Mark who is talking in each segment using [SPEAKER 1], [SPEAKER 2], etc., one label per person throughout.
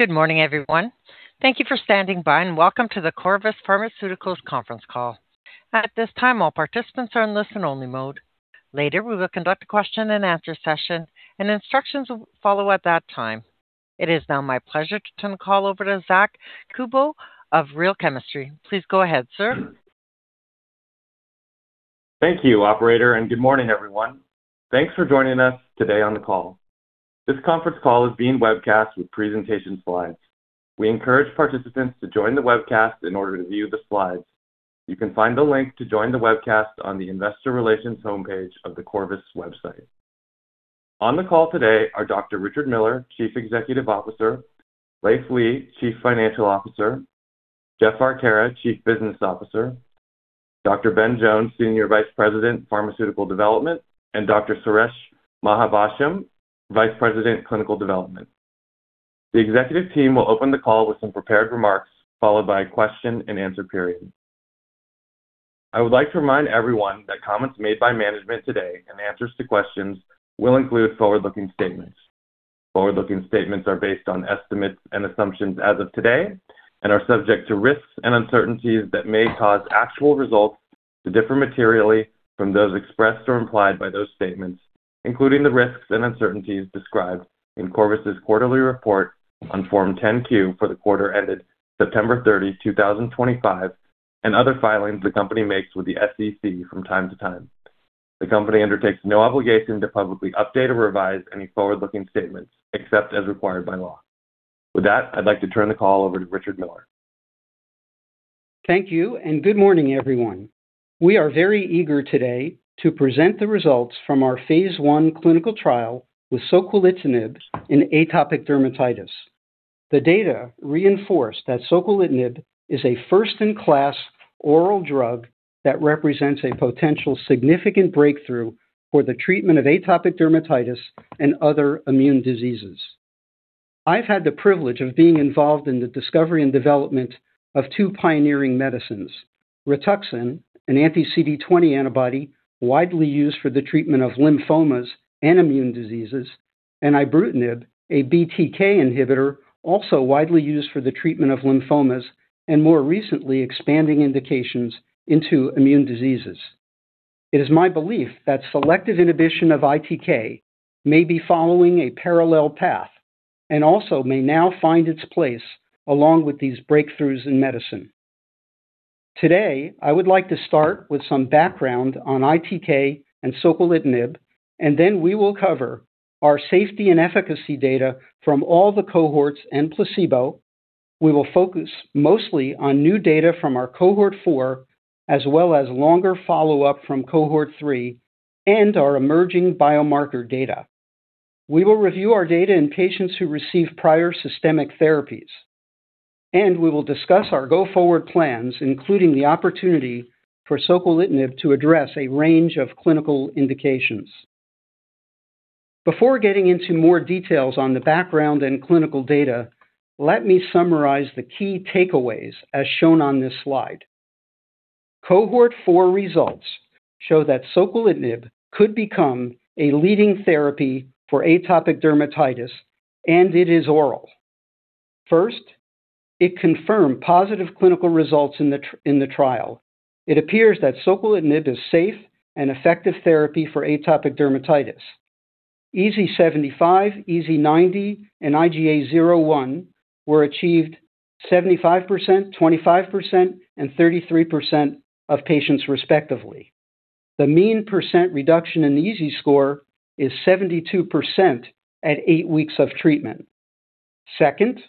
[SPEAKER 1] Good morning, everyone. Thank you for standing by and welcome to the Corvus Pharmaceuticals Conference Call. At this time, all participants are in listen-only mode. Later, we will conduct a question-and-answer session, and instructions will follow at that time. It is now my pleasure to turn the call over to Zack Kubow of Real Chemistry. Please go ahead, sir.
[SPEAKER 2] Thank you, Operator, and good morning, everyone. Thanks for joining us today on the call. This conference call is being webcast with presentation slides. We encourage participants to join the webcast in order to view the slides. You can find the link to join the webcast on the Investor Relations homepage of the Corvus website. On the call today are Dr. Richard Miller, Chief Executive Officer, Leiv Lea, Chief Financial Officer, Jeff Arcara, Chief Business Officer, Dr. Ben Jones, Senior Vice President, Pharmaceutical Development, and Dr. Suresh Mahabhashyam, Vice President, Clinical Development. The executive team will open the call with some prepared remarks, followed by a question-and-answer period. I would like to remind everyone that comments made by management today and answers to questions will include forward-looking statements. Forward-looking statements are based on estimates and assumptions as of today and are subject to risks and uncertainties that may cause actual results to differ materially from those expressed or implied by those statements, including the risks and uncertainties described in Corvus's quarterly report on Form 10-Q for the quarter ended September 30, 2025, and other filings the company makes with the SEC from time-to-time. The company undertakes no obligation to publicly update or revise any forward-looking statements except as required by law. With that, I'd like to turn the call over to Richard Miller.
[SPEAKER 3] Thank you, and good morning, everyone. We are very eager today to present the results from our phase I clinical trial with Soquelitinib in atopic dermatitis. The data reinforce that Soquelitinib is a first-in-class oral drug that represents a potential significant breakthrough for the treatment of atopic dermatitis and other immune diseases. I've had the privilege of being involved in the discovery and development of two pioneering medicines: Rituxan, an Anti-CD20 antibody widely used for the treatment of lymphomas and immune diseases, and ibrutinib, a BTK inhibitor also widely used for the treatment of lymphomas and more recently expanding indications into immune diseases. It is my belief that selective inhibition of ITK may be following a parallel path and also may now find its place along with these breakthroughs in medicine. Today, I would like to start with some background on ITK and Soquelitinib, and then we will cover our safety and efficacy data from all the Cohorts and placebo. We will focus mostly on new data from our Cohort 4, as well as longer follow-up from Cohort 3 and our emerging biomarker data. We will review our data in patients who received prior systemic therapies, and we will discuss our go-forward plans, including the opportunity for Soquelitinib to address a range of clinical indications. Before getting into more details on the background and clinical data, let me summarize the key takeaways as shown on this slide. Cohort 4 results show that Soquelitinib could become a leading therapy for atopic dermatitis, and it is oral. First, it confirmed positive clinical results in the trial. It appears that Soquelitinib is a safe and effective therapy for atopic dermatitis. EASI 75, EASI 90, and IGA 0/1 were achieved 75%, 25%, and 33% of patients, respectively. The mean percent reduction in the EASI score is 72% at eight weeks of treatment. Second,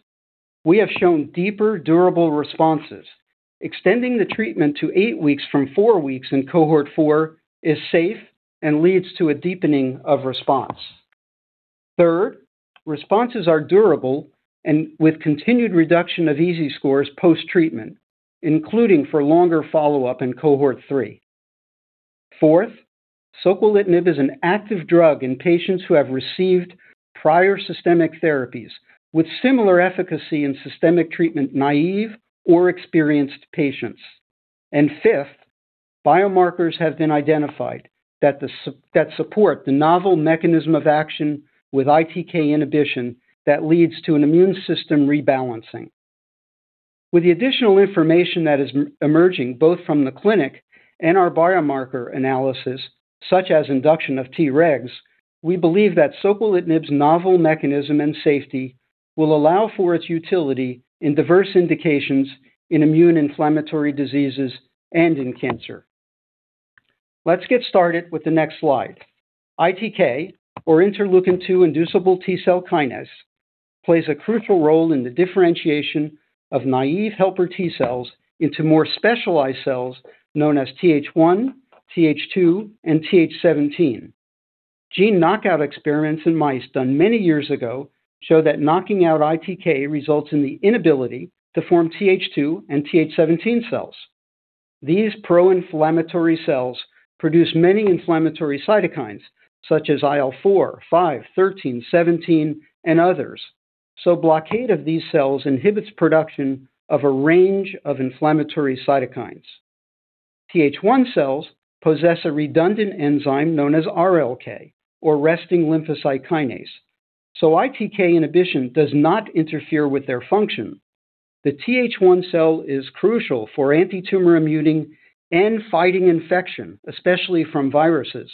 [SPEAKER 3] we have shown deeper, durable responses. Extending the treatment to eight weeks from four weeks in Cohort 4 is safe and leads to a deepening of response. Third, responses are durable and with continued reduction of EASI scores post-treatment, including for longer follow-up in Cohort 3. Fourth, Soquelitinib is an active drug in patients who have received prior systemic therapies with similar efficacy in systemic treatment, naive or experienced patients. And fifth, biomarkers have been identified that support the novel mechanism of action with ITK inhibition that leads to an immune system rebalancing. With the additional information that is emerging both from the clinic and our biomarker analysis, such as induction of Tregs, we believe that Soquelitinib's novel mechanism and safety will allow for its utility in diverse indications in immune inflammatory diseases and in cancer. Let's get started with the next slide. ITK, or interleukin-2 inducible T-cell kinase, plays a crucial role in the differentiation of naive helper T-cells into more specialized cells known as Th1, Th2, and Th17. Gene knockout experiments in mice done many years ago show that knocking out ITK results in the inability to form Th2 and Th17 cells. These pro-inflammatory cells produce many inflammatory cytokines, such as IL-4, IL-5, IL-13, IL-17, and others. So blockade of these cells inhibits production of a range of inflammatory cytokines. Th1 cells possess a redundant enzyme known as RLK, or resting lymphocyte kinase. So ITK inhibition does not interfere with their function. The Th1 cell is crucial for anti-tumor immune and fighting infection, especially from viruses.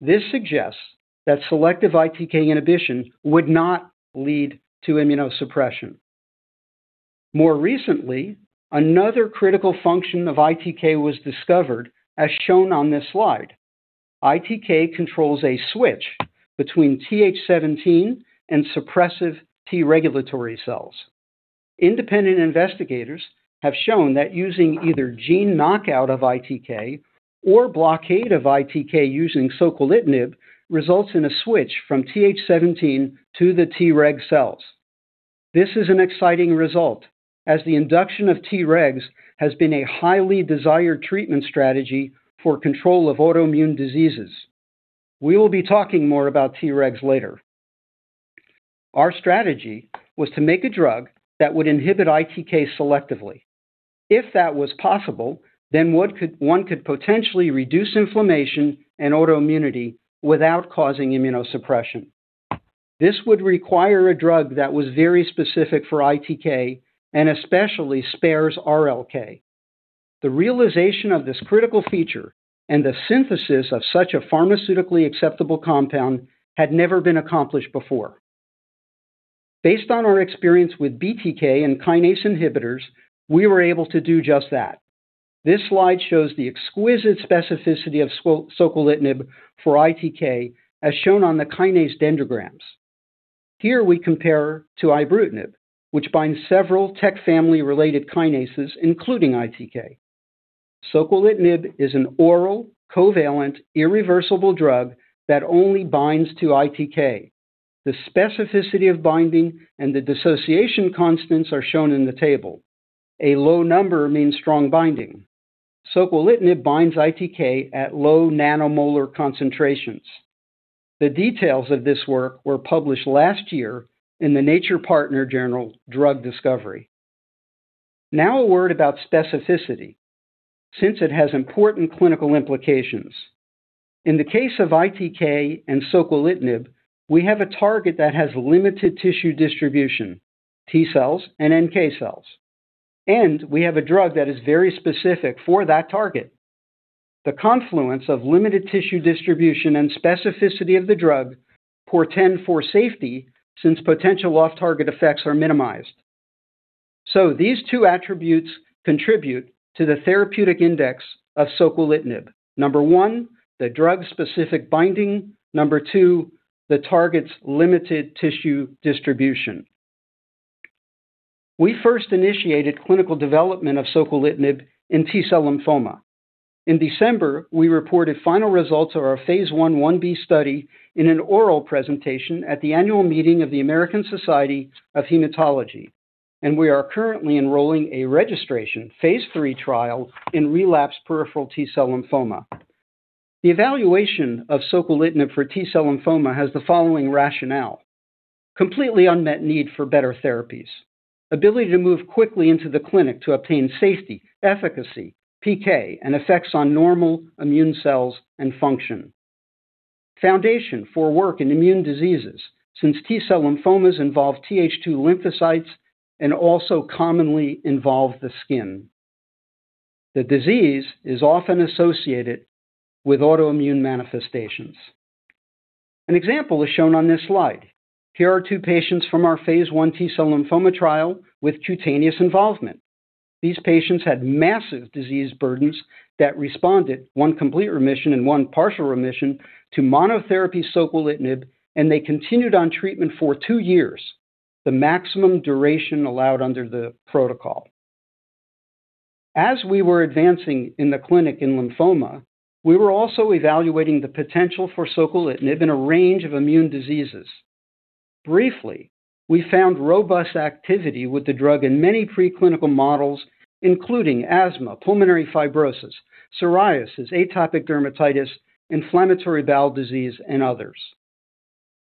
[SPEAKER 3] This suggests that selective ITK inhibition would not lead to immunosuppression. More recently, another critical function of ITK was discovered, as shown on this slide. ITK controls a switch between Th17 and suppressive T regulatory cells. Independent investigators have shown that using either gene knockout of ITK or blockade of ITK using Soquelitinib results in a switch from Th17 to the Treg cells. This is an exciting result, as the induction of Tregs has been a highly desired treatment strategy for control of autoimmune diseases. We will be talking more about Tregs later. Our strategy was to make a drug that would inhibit ITK selectively. If that was possible, then one could potentially reduce inflammation and autoimmunity without causing immunosuppression. This would require a drug that was very specific for ITK and especially spares RLK. The realization of this critical feature and the synthesis of such a pharmaceutically acceptable compound had never been accomplished before. Based on our experience with BTK and kinase inhibitors, we were able to do just that. This slide shows the exquisite specificity of Soquelitinib for ITK, as shown on the kinase dendrograms. Here we compare to ibrutinib, which binds several TEC family-related kinases, including ITK. Soquelitinib is an oral, covalent, irreversible drug that only binds to ITK. The specificity of binding and the dissociation constants are shown in the table. A low number means strong binding. Soquelitinib binds ITK at low nanomolar concentrations. The details of this work were published last year in the Nature Partner Journal Drug Discovery. Now a word about specificity, since it has important clinical implications. In the case of ITK and Soquelitinib, we have a target that has limited tissue distribution, T cells and NK cells, and we have a drug that is very specific for that target. The confluence of limited tissue distribution and specificity of the drug portends for safety since potential off-target effects are minimized. So these two attributes contribute to the therapeutic index of Soquelitinib. Number one, the drug-specific binding. Number two, the target's limited tissue distribution. We first initiated clinical development of Soquelitinib in T-cell lymphoma. In December, we reported final results of our phase IB study in an oral presentation at the annual meeting of the American Society of Hematology, and we are currently enrolling a registration phase III trial in relapsed peripheral T-cell lymphoma. The evaluation of Soquelitinib for T-cell lymphoma has the following rationale: completely unmet need for better therapies, ability to move quickly into the clinic to obtain safety, efficacy, PK, and effects on normal immune cells and function, foundation for work in immune diseases since T-cell lymphomas involve Th2 lymphocytes and also commonly involve the skin. The disease is often associated with autoimmune manifestations. An example is shown on this slide. Here are two patients from our phase I T-cell lymphoma trial with cutaneous involvement. These patients had massive disease burdens that responded to one complete remission and one partial remission to monotherapy Soquelitinib, and they continued on treatment for two years, the maximum duration allowed under the protocol. As we were advancing in the clinic in lymphoma, we were also evaluating the potential for Soquelitinib in a range of immune diseases. Briefly, we found robust activity with the drug in many preclinical models, including asthma, pulmonary fibrosis, psoriasis, atopic dermatitis, inflammatory bowel disease, and others.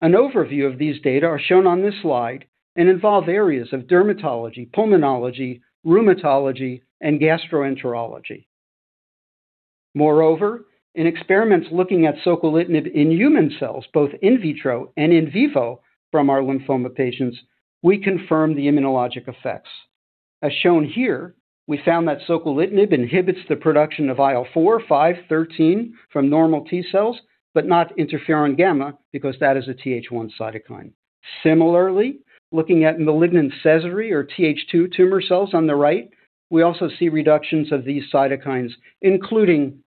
[SPEAKER 3] An overview of these data is shown on this slide and involves areas of dermatology, pulmonology, rheumatology, and gastroenterology. Moreover, in experiments looking at Soquelitinib in human cells, both in vitro and in vivo from our lymphoma patients, we confirmed the immunologic effects. As shown here, we found that Soquelitinib inhibits the production of IL-4, IL-5, IL-13 from normal T-cells, but not interferon gamma because that is a Th1 cytokine. Similarly, looking at malignant T cells or Th2 tumor cells on the right, we also see reductions of these cytokines, including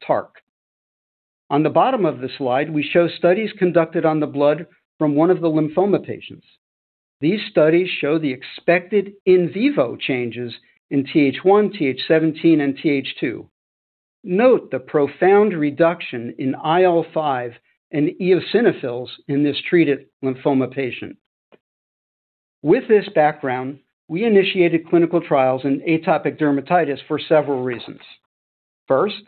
[SPEAKER 3] TARC. On the bottom of the slide, we show studies conducted on the blood from one of the lymphoma patients. These studies show the expected in vivo changes in Th1, Th17, and Th2. Note the profound reduction in IL-5 and eosinophils in this treated lymphoma patient. With this background, we initiated clinical trials in atopic dermatitis for several reasons. First,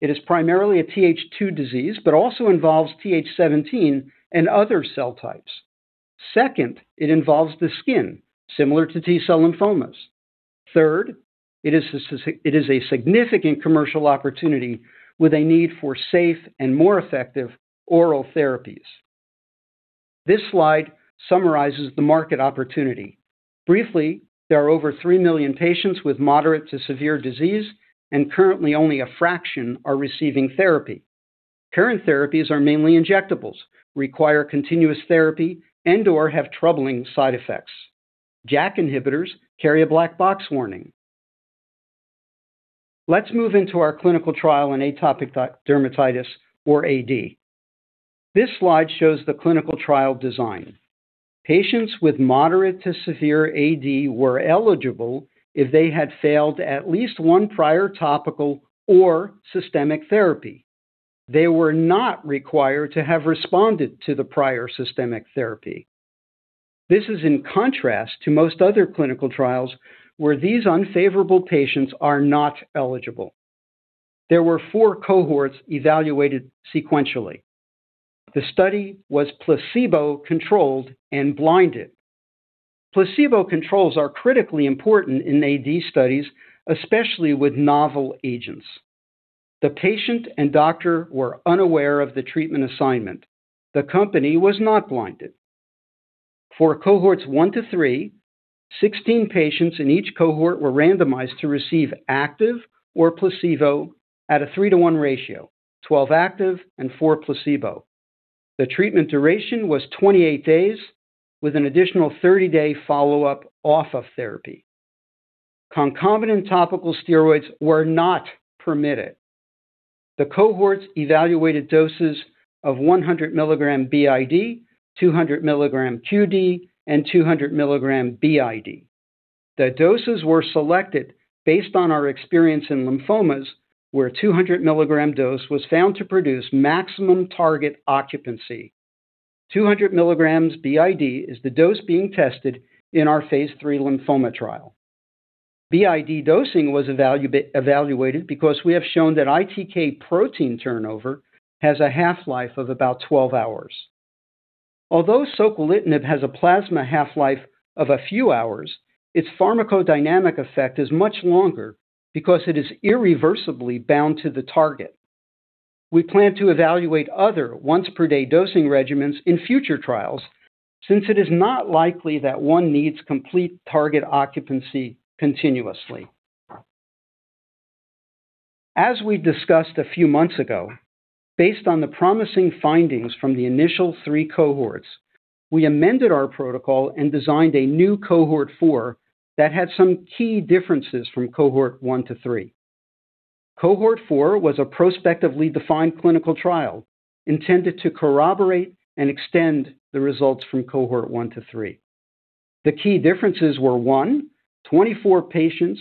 [SPEAKER 3] it is primarily a Th2 disease, but also involves Th17 and other cell types. Second, it involves the skin, similar to T-cell lymphomas. Third, it is a significant commercial opportunity with a need for safe and more effective oral therapies. This slide summarizes the market opportunity. Briefly, there are over three million patients with moderate to severe disease, and currently only a fraction are receiving therapy. Current therapies are mainly injectables, require continuous therapy, and/or have troubling side effects. JAK inhibitors carry a black box warning. Let's move into our clinical trial in atopic dermatitis, or AD. This slide shows the clinical trial design. Patients with moderate to severe AD were eligible if they had failed at least one prior topical or systemic therapy. They were not required to have responded to the prior systemic therapy. This is in contrast to most other clinical trials where these unfavorable patients are not eligible. There were four Cohorts evaluated sequentially. The study was placebo-controlled and blinded. Placebo controls are critically important in AD studies, especially with novel agents. The patient and doctor were unaware of the treatment assignment. The company was not blinded. For Cohorts 1 to 3, 16 patients in each Cohort were randomized to receive active or placebo at a three to one ratio, 12 active and four placebo. The treatment duration was 28 days, with an additional 30-day follow-up off of therapy. Concomitant topical steroids were not permitted. The Cohorts evaluated doses of 100 milligrams b.i.d., 200 milligrams q.d., and 200 milligrams b.i.d. The doses were selected based on our experience in lymphomas, where a 200 milligram dose was found to produce maximum target occupancy. 200 milligrams b.i.d. is the dose being tested in our phase III lymphoma trial. b.i.d. dosing was evaluated because we have shown that ITK protein turnover has a half-life of about 12 hours. Although Soquelitinib has a plasma half-life of a few hours, its pharmacodynamic effect is much longer because it is irreversibly bound to the target. We plan to evaluate other once-per-day dosing regimens in future trials since it is not likely that one needs complete target occupancy continuously. As we discussed a few months ago, based on the promising findings from the initial three Cohorts, we amended our protocol and designed a new Cohort 4 that had some key differences from Cohort 1 to 3. Cohort 4 was a prospectively defined clinical trial intended to corroborate and extend the results from Cohort 1 to 3. The key differences were: one, 24 patients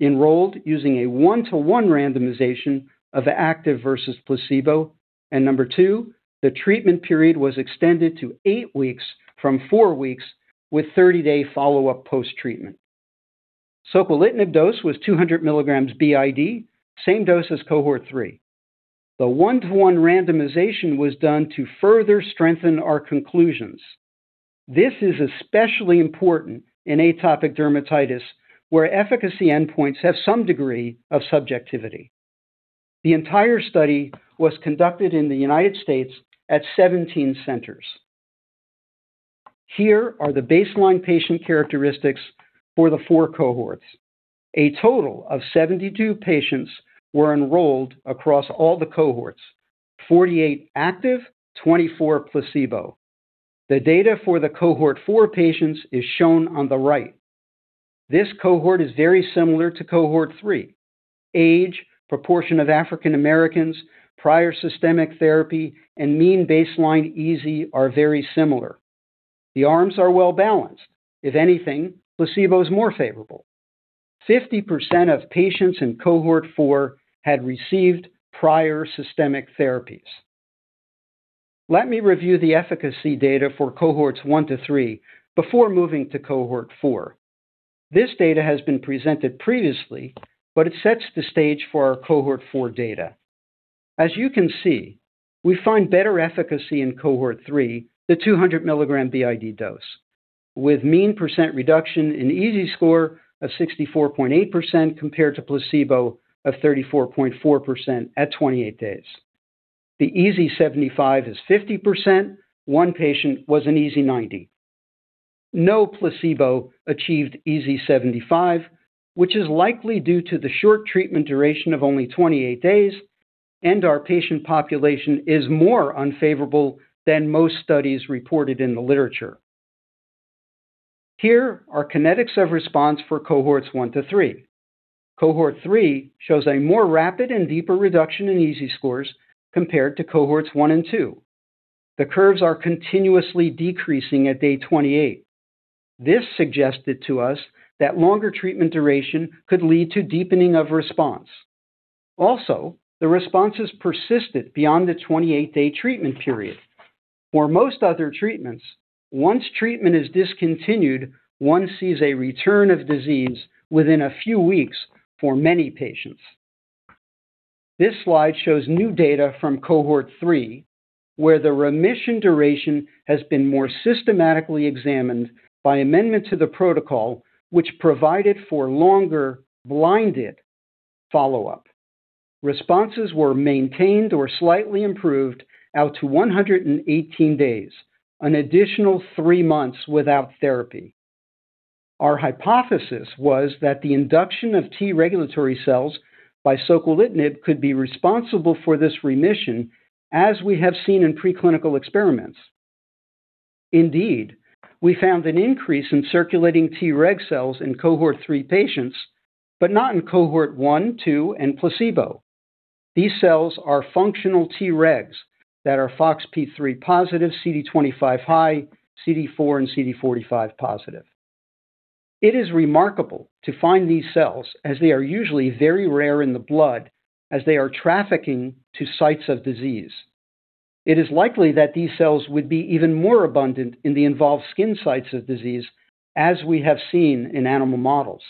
[SPEAKER 3] enrolled using a one to one randomization of active versus placebo, and number two, the treatment period was extended to eight weeks from four weeks with 30-day follow-up post-treatment. Soquelitinib dose was 200 milligrams b.i.d., same dose as Cohort 3. The one to one randomization was done to further strengthen our conclusions. This is especially important in atopic dermatitis where efficacy endpoints have some degree of subjectivity. The entire study was conducted in the United States at 17 centers. Here are the baseline patient characteristics for the four Cohorts. A total of 72 patients were enrolled across all the Cohorts, 48 active, 24 placebo. The data for the Cohort four patients is shown on the right. This Cohort is very similar to Cohort 3. Age, proportion of African Americans, prior systemic therapy, and mean baseline EASI are very similar. The arms are well balanced. If anything, placebo is more favorable. 50% of patients in Cohort 4 had received prior systemic therapies. Let me review the efficacy data for Cohorts 1 to 3 before moving to Cohort 4. This data has been presented previously, but it sets the stage for our Cohort 4 data. As you can see, we find better efficacy in Cohort 3, the 200 milligram b.i.d. dose, with mean percent reduction in EASI score of 64.8% compared to placebo of 34.4% at 28 days. The EASI 75 is 50%. One patient was an EASI 90. No placebo achieved EASI 75, which is likely due to the short treatment duration of only 28 days, and our patient population is more unfavorable than most studies reported in the literature. Here are kinetics of response for Cohorts 1 to 3. Cohort 3 shows a more rapid and deeper reduction in EASI scores compared to Cohorts 1 and 2. The curves are continuously decreasing at day 28. This suggested to us that longer treatment duration could lead to deepening of response. Also, the responses persisted beyond the 28-day treatment period. For most other treatments, once treatment is discontinued, one sees a return of disease within a few weeks for many patients. This slide shows new data from Cohort three, where the remission duration has been more systematically examined by amendment to the protocol, which provided for longer blinded follow-up. Responses were maintained or slightly improved out to 118 days, an additional three months without therapy. Our hypothesis was that the induction of T regulatory cells by Soquelitinib could be responsible for this remission, as we have seen in preclinical experiments. Indeed, we found an increase in circulating T reg cells in Cohort three patients, but not in Cohort one, two, and placebo. These cells are functional Tregs that are FOXP3 positive, CD25 high, CD4, and CD45 positive. It is remarkable to find these cells, as they are usually very rare in the blood, as they are trafficking to sites of disease. It is likely that these cells would be even more abundant in the involved skin sites of disease, as we have seen in animal models.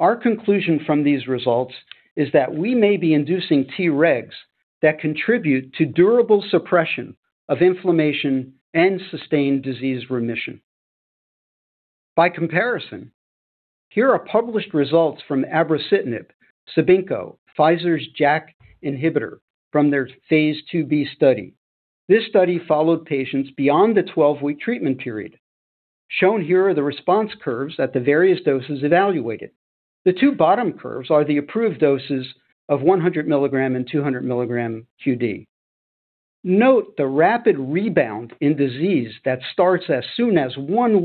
[SPEAKER 3] Our conclusion from these results is that we may be inducing Tregs that contribute to durable suppression of inflammation and sustained disease remission. By comparison, here are published results from abrocitinib, Cibinqo, Pfizer's JAK inhibitor from their phase IIB study. This study followed patients beyond the 12-week treatment period. Shown here are the response curves at the various doses evaluated. The two bottom curves are the approved doses of 100 milligram and 200 milligram q.d. Note the rapid rebound in disease that starts as soon as one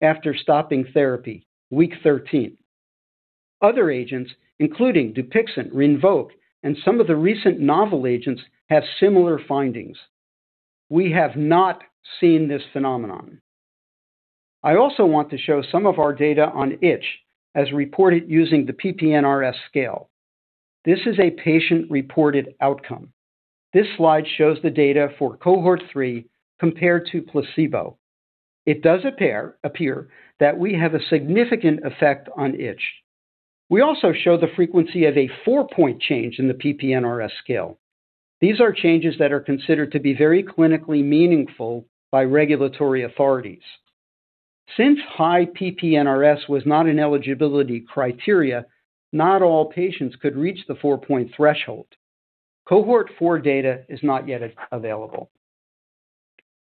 [SPEAKER 3] week after stopping therapy, week 13. Other agents, including Dupixent, Rinvoq, and some of the recent novel agents, have similar findings. We have not seen this phenomenon. I also want to show some of our data on itch as reported using the PP-NRS scale. This is a patient-reported outcome. This slide shows the data for Cohort 3 compared to placebo. It does appear that we have a significant effect on itch. We also show the frequency of a four-point change in the PP-NRS scale. These are changes that are considered to be very clinically meaningful by regulatory authorities. Since high PP-NRS was not an eligibility criteria, not all patients could reach the four-point threshold. Cohort 4 data is not yet available.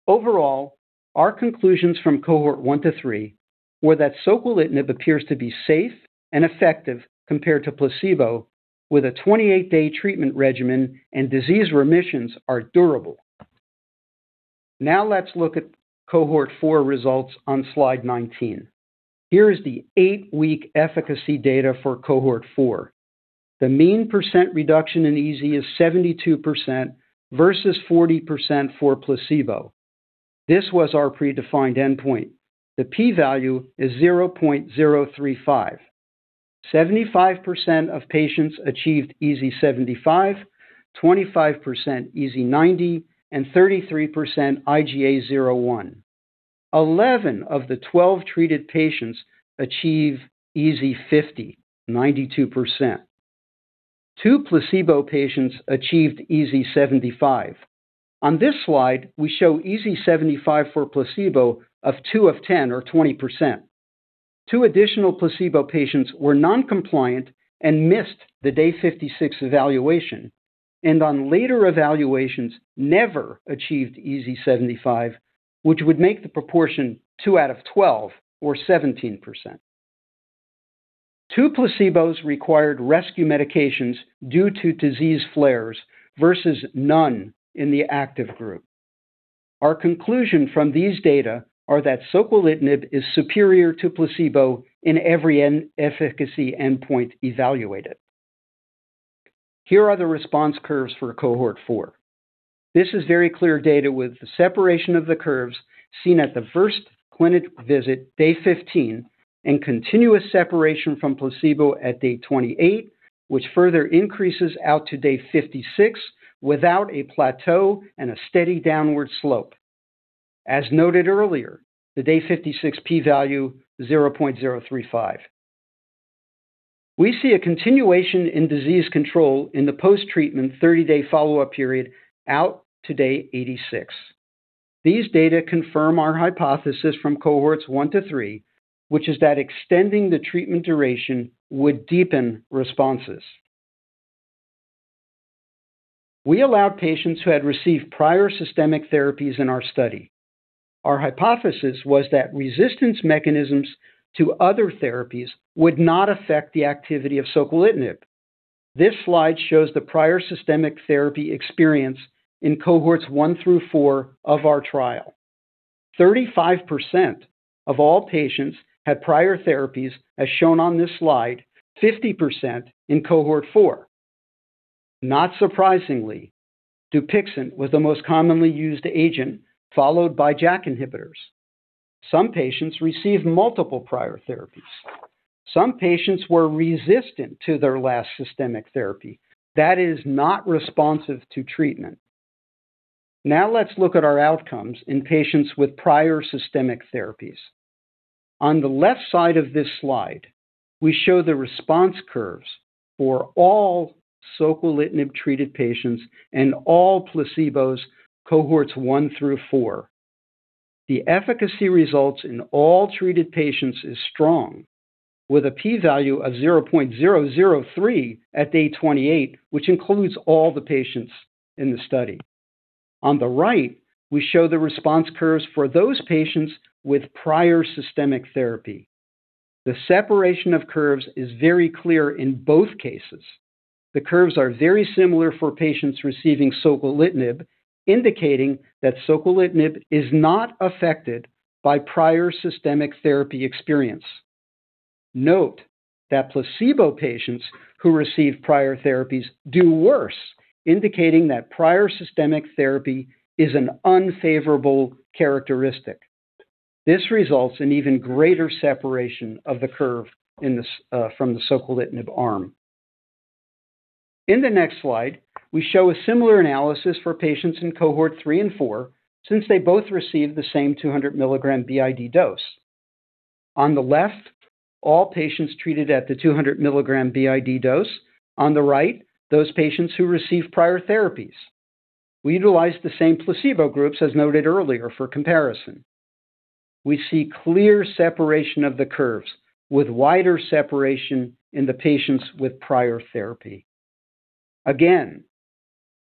[SPEAKER 3] Overall, our conclusions from Cohort 1 to 3 were that Soquelitinib appears to be safe and effective compared to placebo, with a 28-day treatment regimen and disease remissions are durable. Now let's look at Cohort 4 results on slide 19. Here is the eight-week efficacy data for Cohort 4. The mean percent reduction in EASI is 72% versus 40% for placebo. This was our predefined endpoint. The p-value is 0.035. 75% of patients achieved EASI 75, 25% EASI 90, and 33% IGA 0/1. 11 of the 12 treated patients achieve EASI 50, 92%. Two placebo patients achieved EASI 75. On this slide, we show EASI 75 for placebo of two of 10 or 20%. Two additional placebo patients were non-compliant and missed the day 56 evaluation, and on later evaluations never achieved EASI 75, which would make the proportion two out of 12 or 17%. Two placebos required rescue medications due to disease flares versus none in the active group. Our conclusion from these data is that Soquelitinib is superior to placebo in every efficacy endpoint evaluated. Here are the response curves for Cohort 4. This is very clear data with the separation of the curves seen at the first clinic visit, day 15, and continuous separation from placebo at day 28, which further increases out to day 56 without a plateau and a steady downward slope. As noted earlier, the day 56 p-value is 0.035. We see a continuation in disease control in the post-treatment 30-day follow-up period out to day 86. These data confirm our hypothesis from Cohorts 1 to 3, which is that extending the treatment duration would deepen responses. We allowed patients who had received prior systemic therapies in our study. Our hypothesis was that resistance mechanisms to other therapies would not affect the activity of Soquelitinib. This slide shows the prior systemic therapy experience in Cohorts 1 through 4 of our trial. 35% of all patients had prior therapies, as shown on this slide, 50% in Cohort 4. Not surprisingly, Dupixent was the most commonly used agent, followed by JAK inhibitors. Some patients received multiple prior therapies. Some patients were resistant to their last systemic therapy. That is not responsive to treatment. Now let's look at our outcomes in patients with prior systemic therapies. On the left side of this slide, we show the response curves for all Soquelitinib-treated patients and all placebo Cohorts 1 through 4. The efficacy results in all treated patients is strong, with a p-value of 0.003 at day 28, which includes all the patients in the study. On the right, we show the response curves for those patients with prior systemic therapy. The separation of curves is very clear in both cases. The curves are very similar for patients receiving Soquelitinib, indicating that Soquelitinib is not affected by prior systemic therapy experience. Note that placebo patients who receive prior therapies do worse, indicating that prior systemic therapy is an unfavorable characteristic. This results in even greater separation of the curve from the Soquelitinib arm. In the next slide, we show a similar analysis for patients in Cohort 3 and 4 since they both received the same 200 milligrams b.i.d. dose. On the left, all patients treated at the 200 milligrams b.i.d. dose. On the right, those patients who received prior therapies. We utilized the same placebo groups, as noted earlier, for comparison. We see clear separation of the curves, with wider separation in the patients with prior therapy. Again,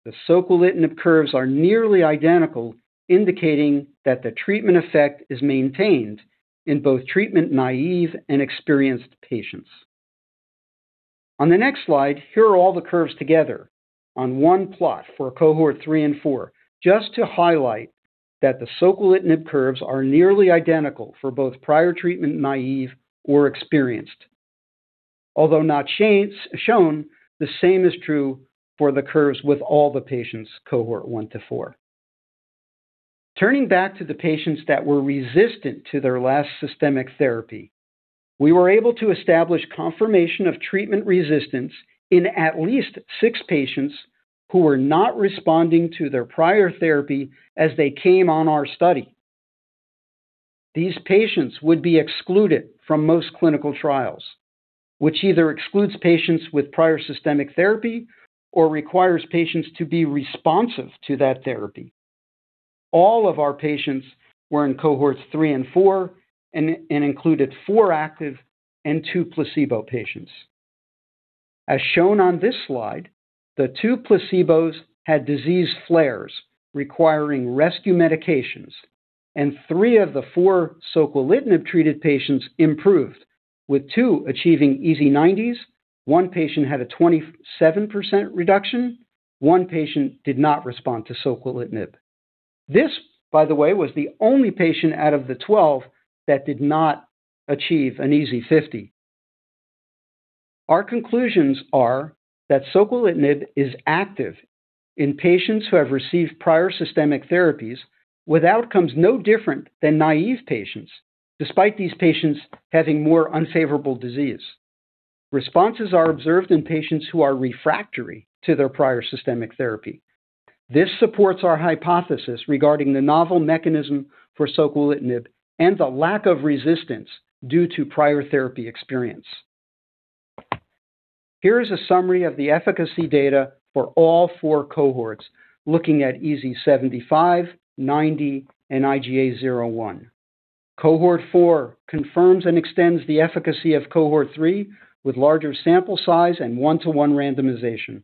[SPEAKER 3] the Soquelitinib curves are nearly identical, indicating that the treatment effect is maintained in both treatment naive and experienced patients. On the next slide, here are all the curves together on one plot for Cohort 3 and 4, just to highlight that the Soquelitinib curves are nearly identical for both prior treatment naive or experienced. Although not shown, the same is true for the curves with all the patients Cohort 1 to 4. Turning back to the patients that were resistant to their last systemic therapy, we were able to establish confirmation of treatment resistance in at least six patients who were not responding to their prior therapy as they came on our study. These patients would be excluded from most clinical trials, which either excludes patients with prior systemic therapy or requires patients to be responsive to that therapy. All of our patients were in Cohorts 3 and 4 and included four active and two placebo patients. As shown on this slide, the two placebos had disease flares requiring rescue medications, and three of the four Soquelitinib-treated patients improved, with two achieving EASI 90s. One patient had a 27% reduction. One patient did not respond to Soquelitinib. This, by the way, was the only patient out of the 12 that did not achieve an EASI 50. Our conclusions are that Soquelitinib is active in patients who have received prior systemic therapies with outcomes no different than naive patients, despite these patients having more unfavorable disease. Responses are observed in patients who are refractory to their prior systemic therapy. This supports our hypothesis regarding the novel mechanism for Soquelitinib and the lack of resistance due to prior therapy experience. Here is a summary of the efficacy data for all four Cohorts looking at EASI 75, 90, and IGA 0/1. Cohort 4 confirms and extends the efficacy of Cohort 3 with larger sample size and one-to-one randomization.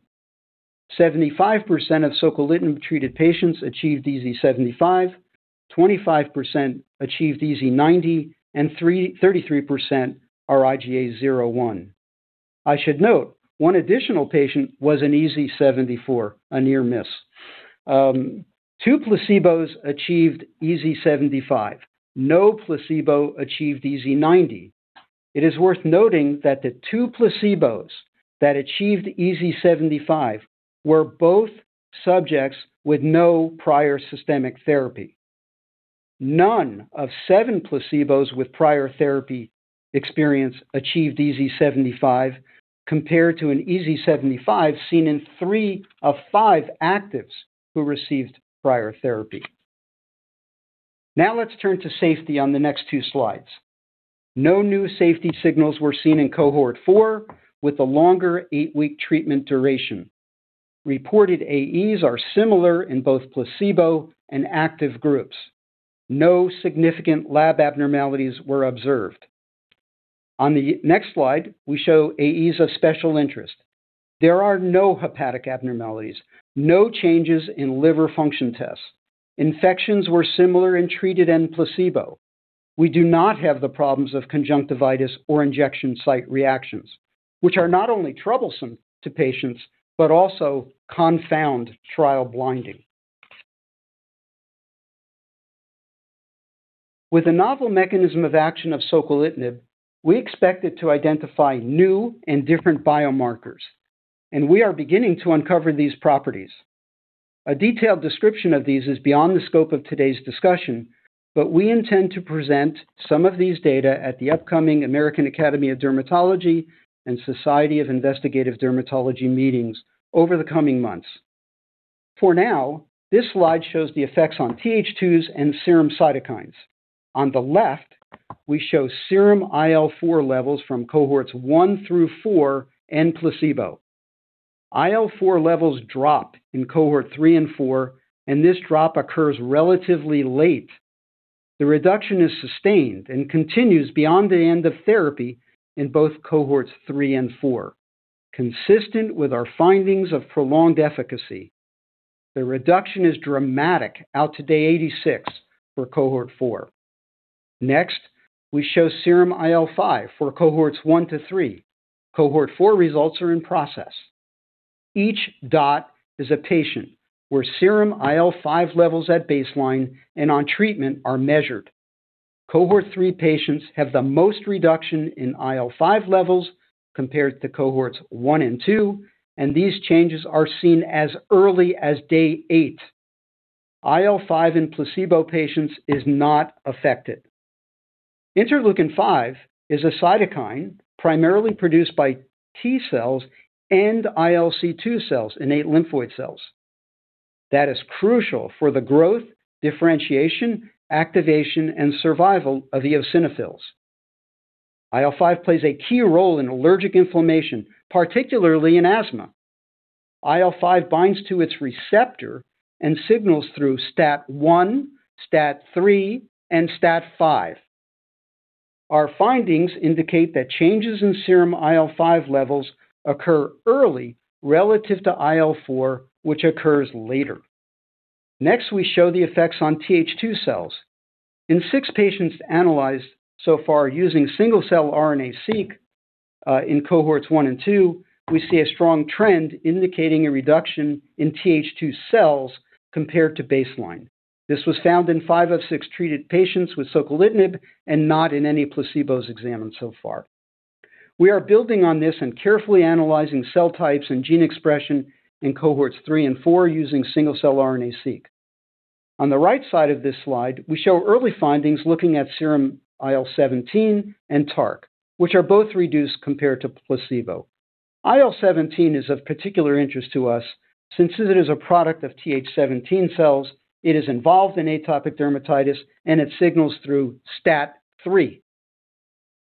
[SPEAKER 3] 75% of Soquelitinib-treated patients achieved EASI 75, 25% achieved EASI 90, and 33% are IGA 0/1. I should note one additional patient was an EASI 74, a near miss. Two placebos achieved EASI 75. No placebo achieved EASI 90. It is worth noting that the two placebos that achieved EASI 75 were both subjects with no prior systemic therapy. None of seven placebos with prior therapy experience achieved EASI 75 compared to an EASI 75 seen in three of five actives who received prior therapy. Now let's turn to safety on the next two slides. No new safety signals were seen in Cohort 4 with the longer eight-week treatment duration. Reported AEs are similar in both placebo and active groups. No significant lab abnormalities were observed. On the next slide, we show AEs of special interest. There are no hepatic abnormalities, no changes in liver function tests. Infections were similar in treated and placebo. We do not have the problems of conjunctivitis or injection site reactions, which are not only troublesome to patients but also confound trial blinding. With the novel mechanism of action of Soquelitinib, we expect it to identify new and different biomarkers, and we are beginning to uncover these properties. A detailed description of these is beyond the scope of today's discussion, but we intend to present some of these data at the upcoming American Academy of Dermatology and Society of Investigative Dermatology meetings over the coming months. For now, this slide shows the effects on Th2s and serum cytokines. On the left, we show serum IL-4 levels from Cohorts 1 through 4 and placebo. IL-4 levels drop in Cohort 3 and 4, and this drop occurs relatively late. The reduction is sustained and continues beyond the end of therapy in both Cohorts 3 and 4, consistent with our findings of prolonged efficacy. The reduction is dramatic out to day 86 for Cohort 4. Next, we show serum IL-5 for Cohorts 1 to 3. Cohort 4 results are in process. Each dot is a patient where serum IL-5 levels at baseline and on treatment are measured. Cohort 3 patients have the most reduction in IL-5 levels compared to Cohorts 1 and 2, and these changes are seen as early as day eight. IL-5 in placebo patients is not affected. Interleukin-5 is a cytokine primarily produced by T cells and ILC2 cells in innate lymphoid cells. That is crucial for the growth, differentiation, activation, and survival of eosinophils. IL-5 plays a key role in allergic inflammation, particularly in asthma. IL-5 binds to its receptor and signals through STAT1, STAT3, and STAT5. Our findings indicate that changes in serum IL-5 levels occur early relative to IL-4, which occurs later. Next, we show the effects on Th2 cells. In six patients analyzed so far using single-cell RNA-seq in Cohorts 1 and 2, we see a strong trend indicating a reduction in Th2 cells compared to baseline. This was found in five of six treated patients with Soquelitinib and not in any placebos examined so far. We are building on this and carefully analyzing cell types and gene expression in Cohorts 3 and 4 using single-cell RNA-seq. On the right side of this slide, we show early findings looking at serum IL-17 and TARC, which are both reduced compared to placebo. IL-17 is of particular interest to us since it is a product of Th17 cells. It is involved in atopic dermatitis, and it signals through STAT3.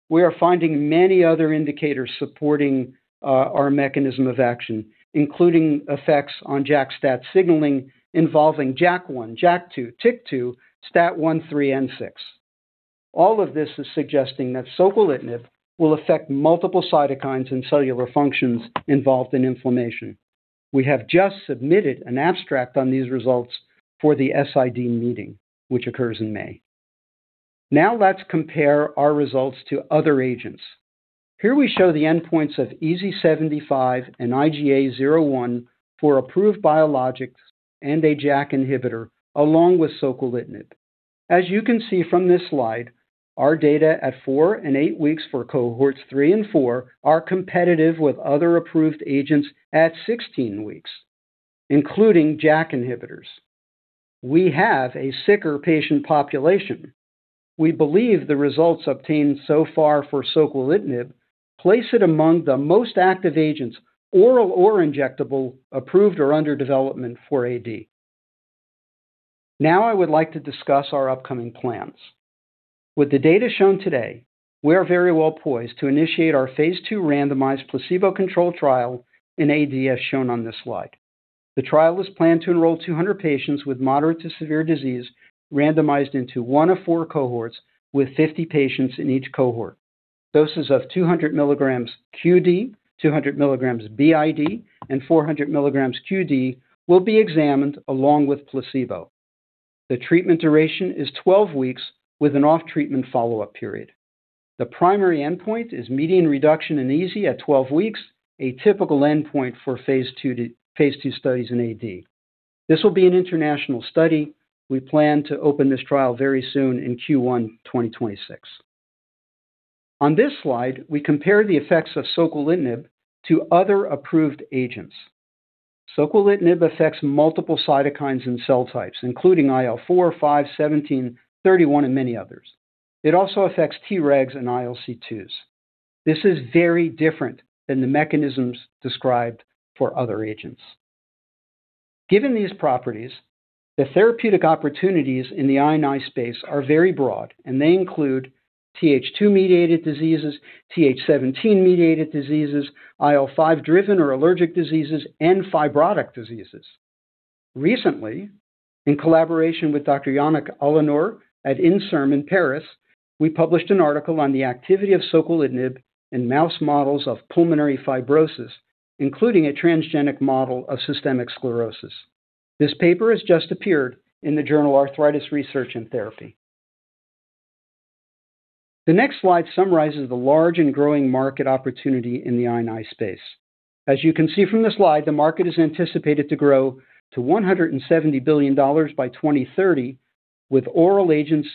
[SPEAKER 3] We are finding many other indicators supporting our mechanism of action, including effects on JAK-STAT signaling involving JAK1, JAK2, TYK2, STAT1, STAT3, and STAT6. All of this is suggesting that Soquelitinib will affect multiple cytokines and cellular functions involved in inflammation. We have just submitted an abstract on these results for the SID meeting, which occurs in May. Now let's compare our results to other agents. Here we show the endpoints of EASI 75 and IGA 0/1 for approved biologics and a JAK inhibitor along with Soquelitinib. As you can see from this slide, our data at four and eight weeks for Cohorts 3 and 4 are competitive with other approved agents at 16 weeks, including JAK inhibitors. We have a sicker patient population. We believe the results obtained so far for Soquelitinib place it among the most active agents, oral or injectable, approved or under development for AD. Now I would like to discuss our upcoming plans. With the data shown today, we are very well poised to initiate our phase II randomized placebo control trial in AD, as shown on this slide. The trial is planned to enroll 200 patients with moderate to severe disease, randomized into one of four Cohorts with 50 patients in each Cohort. Doses of 200 milligrams q.d., 200 milligrams b.i.d., and 400 milligrams q.d. will be examined along with placebo. The treatment duration is 12 weeks with an off-treatment follow-up period. The primary endpoint is median reduction in EASI at 12 weeks, a typical endpoint for phase II studies in AD. This will be an international study. We plan to open this trial very soon in Q1 2026. On this slide, we compare the effects of Soquelitinib to other approved agents. Soquelitinib affects multiple cytokines and cell types, including IL-4, 5, 17, 31, and many others. It also affects Tregs and ILC2s. This is very different than the mechanisms described for other agents. Given these properties, the therapeutic opportunities in the AD space are very broad, and they include Th2-mediated diseases, Th17-mediated diseases, IL-5-driven or allergic diseases, and fibrotic diseases. Recently, in collaboration with Dr. Yannick Allanore at Inserm in Paris, we published an article on the activity of Soquelitinib in mouse models of pulmonary fibrosis, including a transgenic model of systemic sclerosis. This paper has just appeared in the journal Arthritis Research & Therapy. The next slide summarizes the large and growing market opportunity in the AD space. As you can see from the slide, the market is anticipated to grow to $170 billion by 2030, with oral agents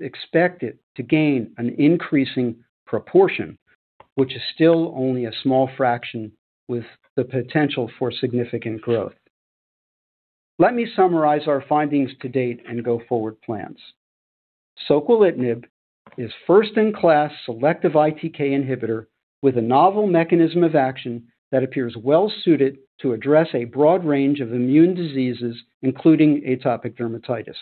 [SPEAKER 3] expected to gain an increasing proportion, which is still only a small fraction with the potential for significant growth. Let me summarize our findings to date and go forward plans. Soquelitinib is first-in-class selective ITK inhibitor with a novel mechanism of action that appears well-suited to address a broad range of immune diseases, including atopic dermatitis.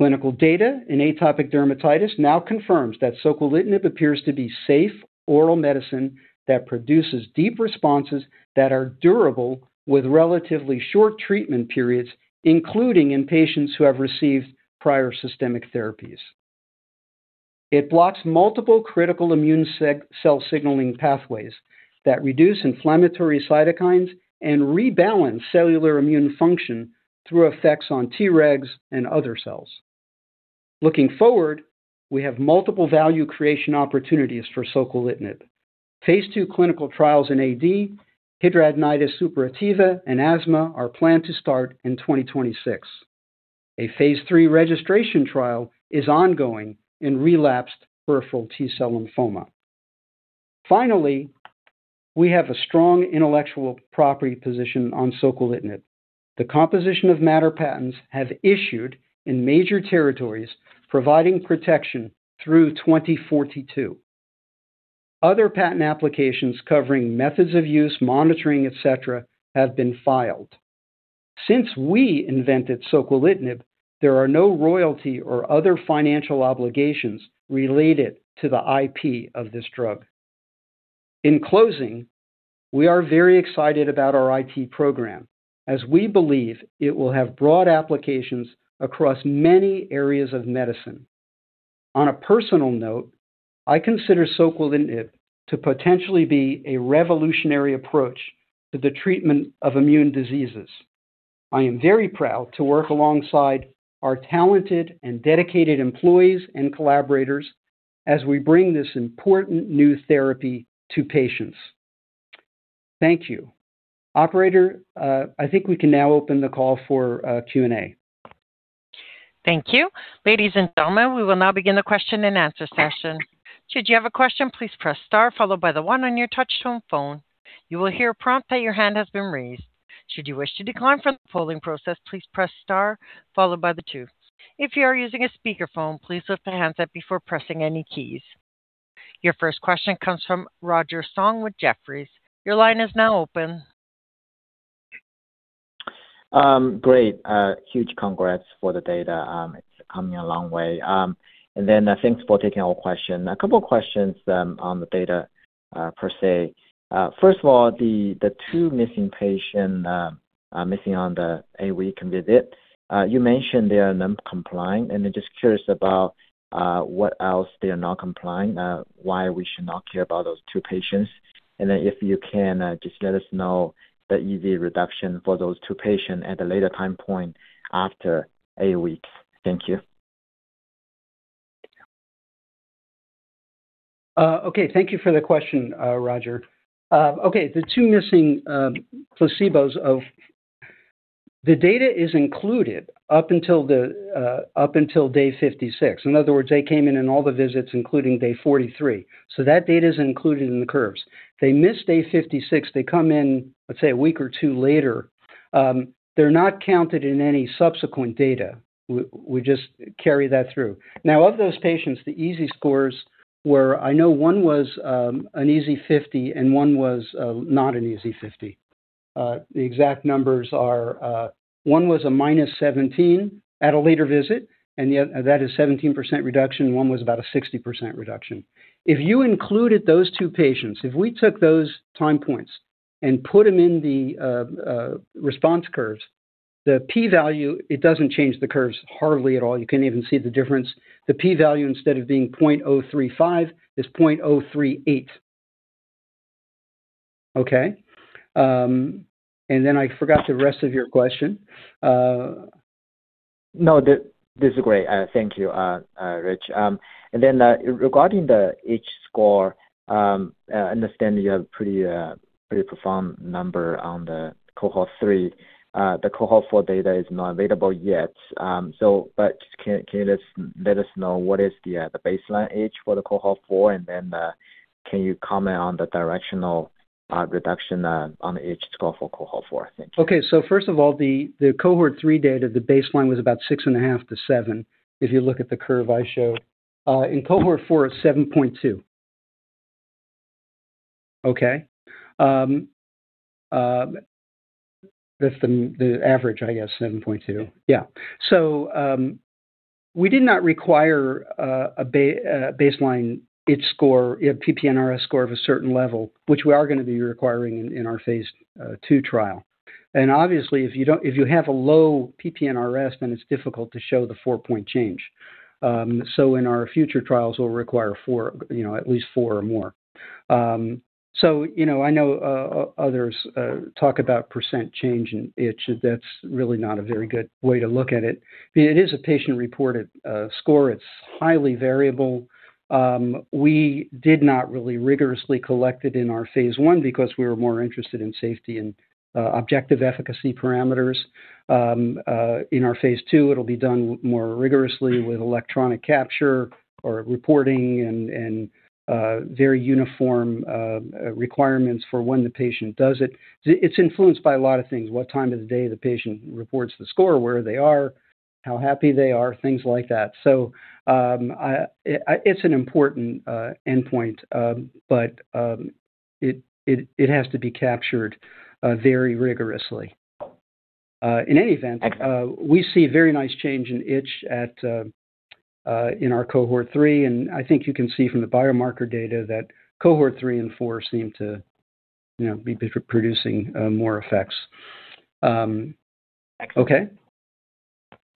[SPEAKER 3] Clinical data in atopic dermatitis now confirms that Soquelitinib appears to be safe oral medicine that produces deep responses that are durable with relatively short treatment periods, including in patients who have received prior systemic therapies. It blocks multiple critical immune cell signaling pathways that reduce inflammatory cytokines and rebalance cellular immune function through effects on Tregs and other cells. Looking forward, we have multiple value creation opportunities for Soquelitinib. Phase II clinical trials in AD, hidradenitis suppurativa and asthma are planned to start in 2026. A phase III registration trial is ongoing in relapsed peripheral T cell lymphoma. Finally, we have a strong intellectual property position on Soquelitinib. The composition of matter patents have issued in major territories, providing protection through 2042. Other patent applications covering methods of use, monitoring, et cetera, have been filed. Since we invented Soquelitinib, there are no royalty or other financial obligations related to the IP of this drug. In closing, we are very excited about our ITK program, as we believe it will have broad applications across many areas of medicine. On a personal note, I consider Soquelitinib to potentially be a revolutionary approach to the treatment of immune diseases. I am very proud to work alongside our talented and dedicated employees and collaborators as we bring this important new therapy to patients. Thank you. Operator, I think we can now open the call for Q&A.
[SPEAKER 1] Thank you. Ladies and gentlemen, we will now begin the question and answer session. Should you have a question, please press star followed by the one on your touchscreen phone. You will hear a prompt that your hand has been raised. Should you wish to decline from the polling process, please press star followed by the two. If you are using a speakerphone, please lift the hands up before pressing any keys. Your first question comes from Roger Song with Jefferies. Your line is now open.
[SPEAKER 4] Great. Huge congrats for the data. It's coming a long way. And then thanks for taking our question. A couple of questions on the data per se. First of all, the two missing patients missing on the eight-week visit, you mentioned they are non-compliant, and I'm just curious about what else they are not compliant, why we should not care about those two patients. And then if you can, just let us know the EASI reduction for those two patients at a later time point after eight weeks. Thank you.
[SPEAKER 3] Okay. Thank you for the question, Roger. Okay. The two missing placebos of the data is included up until day 56. In other words, they came in all the visits, including day 43. So that data is included in the curves. They missed day 56. They come in, let's say, a week or two later. They're not counted in any subsequent data. We just carry that through. Now, of those patients, the EASI scores were, I know one was an EASI 50 and one was not an EASI 50. The exact numbers are one was a minus 17 at a later visit, and that is a 17% reduction. One was about a 60% reduction. If you included those two patients, if we took those time points and put them in the response curves, the p-value, it doesn't change the curves hardly at all. You can't even see the difference. The p-value, instead of being 0.035, is 0.038. Okay. And then I forgot the rest of your question.
[SPEAKER 4] No, disagree. Thank you, Rich. And then regarding the EASI score, I understand you have a pretty profound number on the Cohort 3. The Cohort 4 data is not available yet. But can you let us know what is the baseline EASI for the Cohort 4? And then can you comment on the directional reduction on the EASI score for Cohort 4? Thank you.
[SPEAKER 3] Okay. So first of all, the Cohort 3 data, the baseline was about six and a half to seven, if you look at the curve I showed. In Cohort 4, it's 7.2. Okay. That's the average, I guess, 7.2. Yeah. So we did not require a baseline PP-NRS score of a certain level, which we are going to be requiring in our phase II trial. And obviously, if you have a low PP-NRS, then it's difficult to show the four-point change. So in our future trials, we'll require at least four or more. So I know others talk about percent change in itch. That's really not a very good way to look at it. It is a patient-reported score. It's highly variable. We did not really rigorously collect it in our phase I because we were more interested in safety and objective efficacy parameters. In our phase II, it'll be done more rigorously with electronic capture or reporting and very uniform requirements for when the patient does it. It's influenced by a lot of things: what time of the day the patient reports the score, where they are, how happy they are, things like that. So it's an important endpoint, but it has to be captured very rigorously. In any event, we see very nice change in itch in our Cohort 3. And I think you can see from the biomarker data that Cohort 3 and 4 seem to be producing more effects.
[SPEAKER 4] Okay.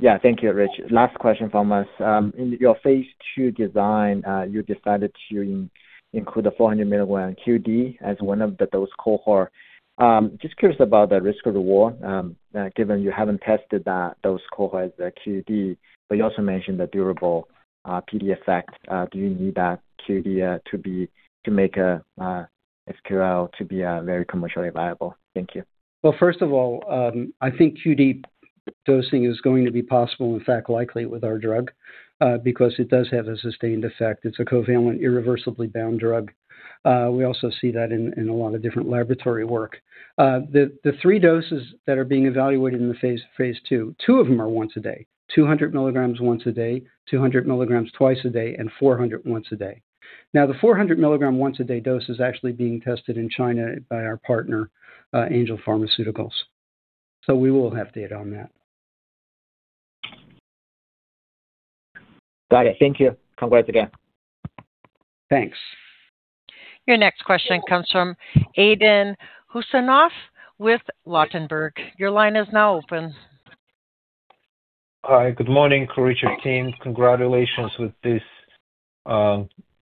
[SPEAKER 4] Yeah. Thank you, Rich. Last question from us. In your phase II design, you decided to include the 400 mg QD as one of those Cohorts. Just curious about the risk of reward, given you haven't tested those Cohorts QD, but you also mentioned the durable PD effect. Do you need that QD to make Soquelitinib to be very commercially viable? Thank you.
[SPEAKER 3] First of all, I think QD dosing is going to be possible, in fact, likely with our drug because it does have a sustained effect. It's a covalent, irreversibly bound drug. We also see that in a lot of different laboratory work. The three doses that are being evaluated in the phase II, two of them are once a day: 200 milligrams once a day, 200 milligrams twice a day, and 400 once a day. Now, the 400 milligram once a day dose is actually being tested in China by our partner, Angel Pharmaceuticals. So we will have data on that.
[SPEAKER 4] Got it. Thank you. Congrats again. Thanks.
[SPEAKER 1] Your next question comes from Aydin Huseynov with Ladenburg Thalmann. Your line is now open.
[SPEAKER 5] Hi. Good morning, Richard Miller. Congratulations with this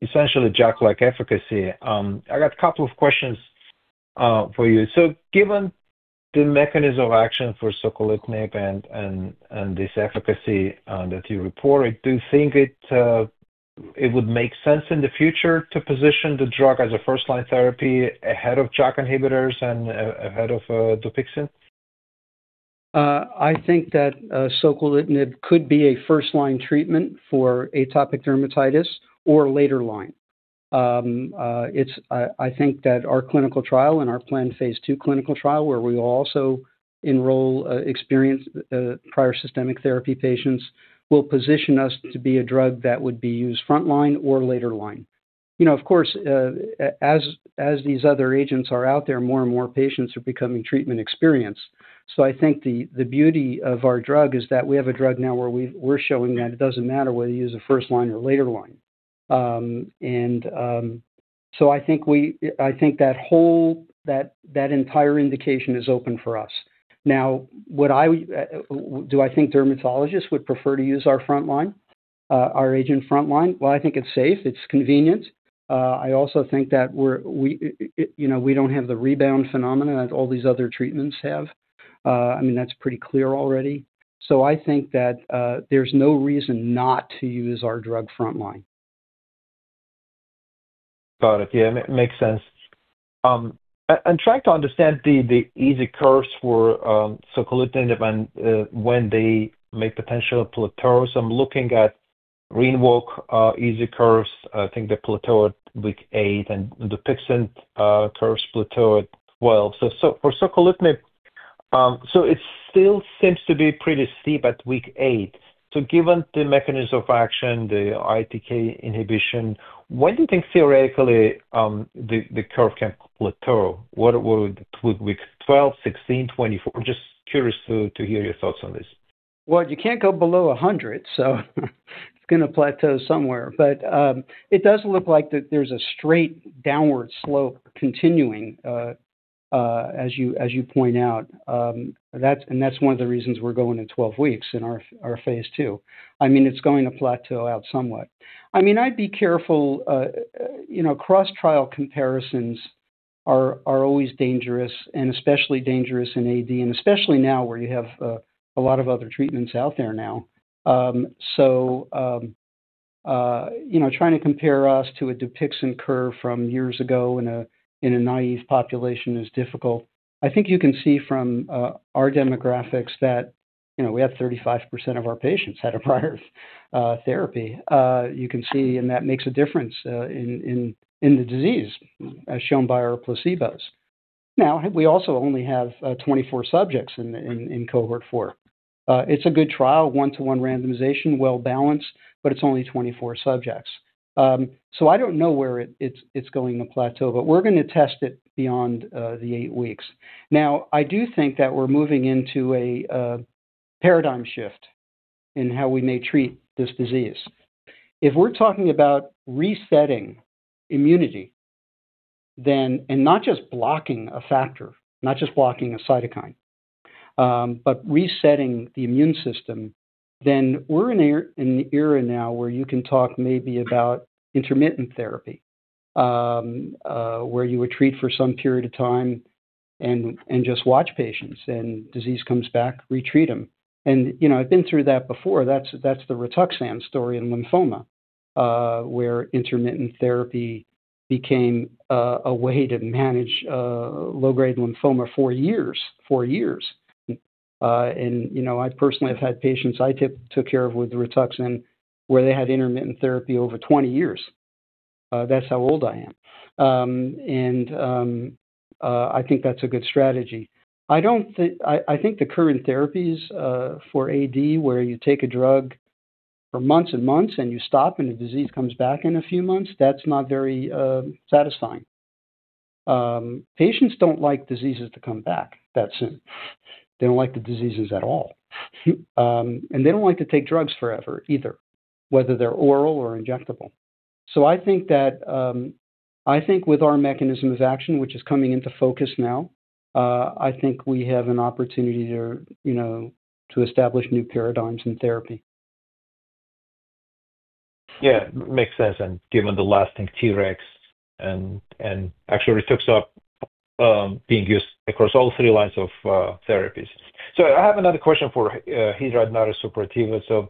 [SPEAKER 5] essentially JAK-like efficacy. I got a couple of questions for you. Given the mechanism of action for Soquelitinib and this efficacy that you reported, do you think it would make sense in the future to position the drug as a first-line therapy ahead of JAK inhibitors and ahead of Dupixent?
[SPEAKER 3] I think that Soquelitinib could be a first-line treatment for atopic dermatitis or later line. I think that our clinical trial and our planned phase II clinical trial, where we will also enroll experienced prior systemic therapy patients, will position us to be a drug that would be used front-line or later line. Of course, as these other agents are out there, more and more patients are becoming treatment experienced. I think the beauty of our drug is that we have a drug now where we're showing that it doesn't matter whether you use a first-line or later line. And so I think that whole entire indication is open for us. Now, do I think dermatologists would prefer to use our front-line, our agent front-line? Well, I think it's safe. It's convenient. I also think that we don't have the rebound phenomenon that all these other treatments have. I mean, that's pretty clear already. So I think that there's no reason not to use our drug front-line.
[SPEAKER 5] Got it. Yeah. Makes sense. I'm trying to understand the EASI curves for Soquelitinib when they make potential plateaus. I'm looking at Rinvoq EASI curves. I think the plateau at week eight and Dupixent curves plateau at 12. So for Soquelitinib, so it still seems to be pretty steep at week eight. So given the mechanism of action, the ITK inhibition, when do you think theoretically the curve can plateau? What would week 12, 16, 24? Just curious to hear your thoughts on this.
[SPEAKER 3] Well, you can't go below 100, so it's going to plateau somewhere. But it does look like there's a straight downward slope continuing, as you point out. And that's one of the reasons we're going at 12 weeks in our phase II. I mean, it's going to plateau out somewhat. I mean, I'd be careful. Cross-trial comparisons are always dangerous, and especially dangerous in AD, and especially now where you have a lot of other treatments out there now. So trying to compare us to a Dupixent curve from years ago in a naive population is difficult. I think you can see from our demographics that we had 35% of our patients had a prior therapy. You can see, and that makes a difference in the disease, as shown by our placebos. Now, we also only have 24 subjects in Cohort 4. It's a good trial, one-to-one randomization, well-balanced, but it's only 24 subjects. So I don't know where it's going to plateau, but we're going to test it beyond the eight weeks. Now, I do think that we're moving into a paradigm shift in how we may treat this disease. If we're talking about resetting immunity, and not just blocking a factor, not just blocking a cytokine, but resetting the immune system, then we're in an era now where you can talk maybe about intermittent therapy, where you would treat for some period of time and just watch patients, and disease comes back, retreat them. And I've been through that before. That's the Rituxan story in lymphoma, where intermittent therapy became a way to manage low-grade lymphoma for years. And I personally have had patients I took care of with Rituxan where they had intermittent therapy over 20 years. That's how old I am. And I think that's a good strategy. I think the current therapies for AD, where you take a drug for months and months and you stop and the disease comes back in a few months, that's not very satisfying. Patients don't like diseases to come back that soon. They don't like the diseases at all. And they don't like to take drugs forever either, whether they're oral or injectable. So I think with our mechanism of action, which is coming into focus now, I think we have an opportunity to establish new paradigms in therapy.
[SPEAKER 5] Yeah. Makes sense. And given the last thing, TRX and actually Rituxan being used across all three lines of therapies. So I have another question for hidradenitis suppurativa.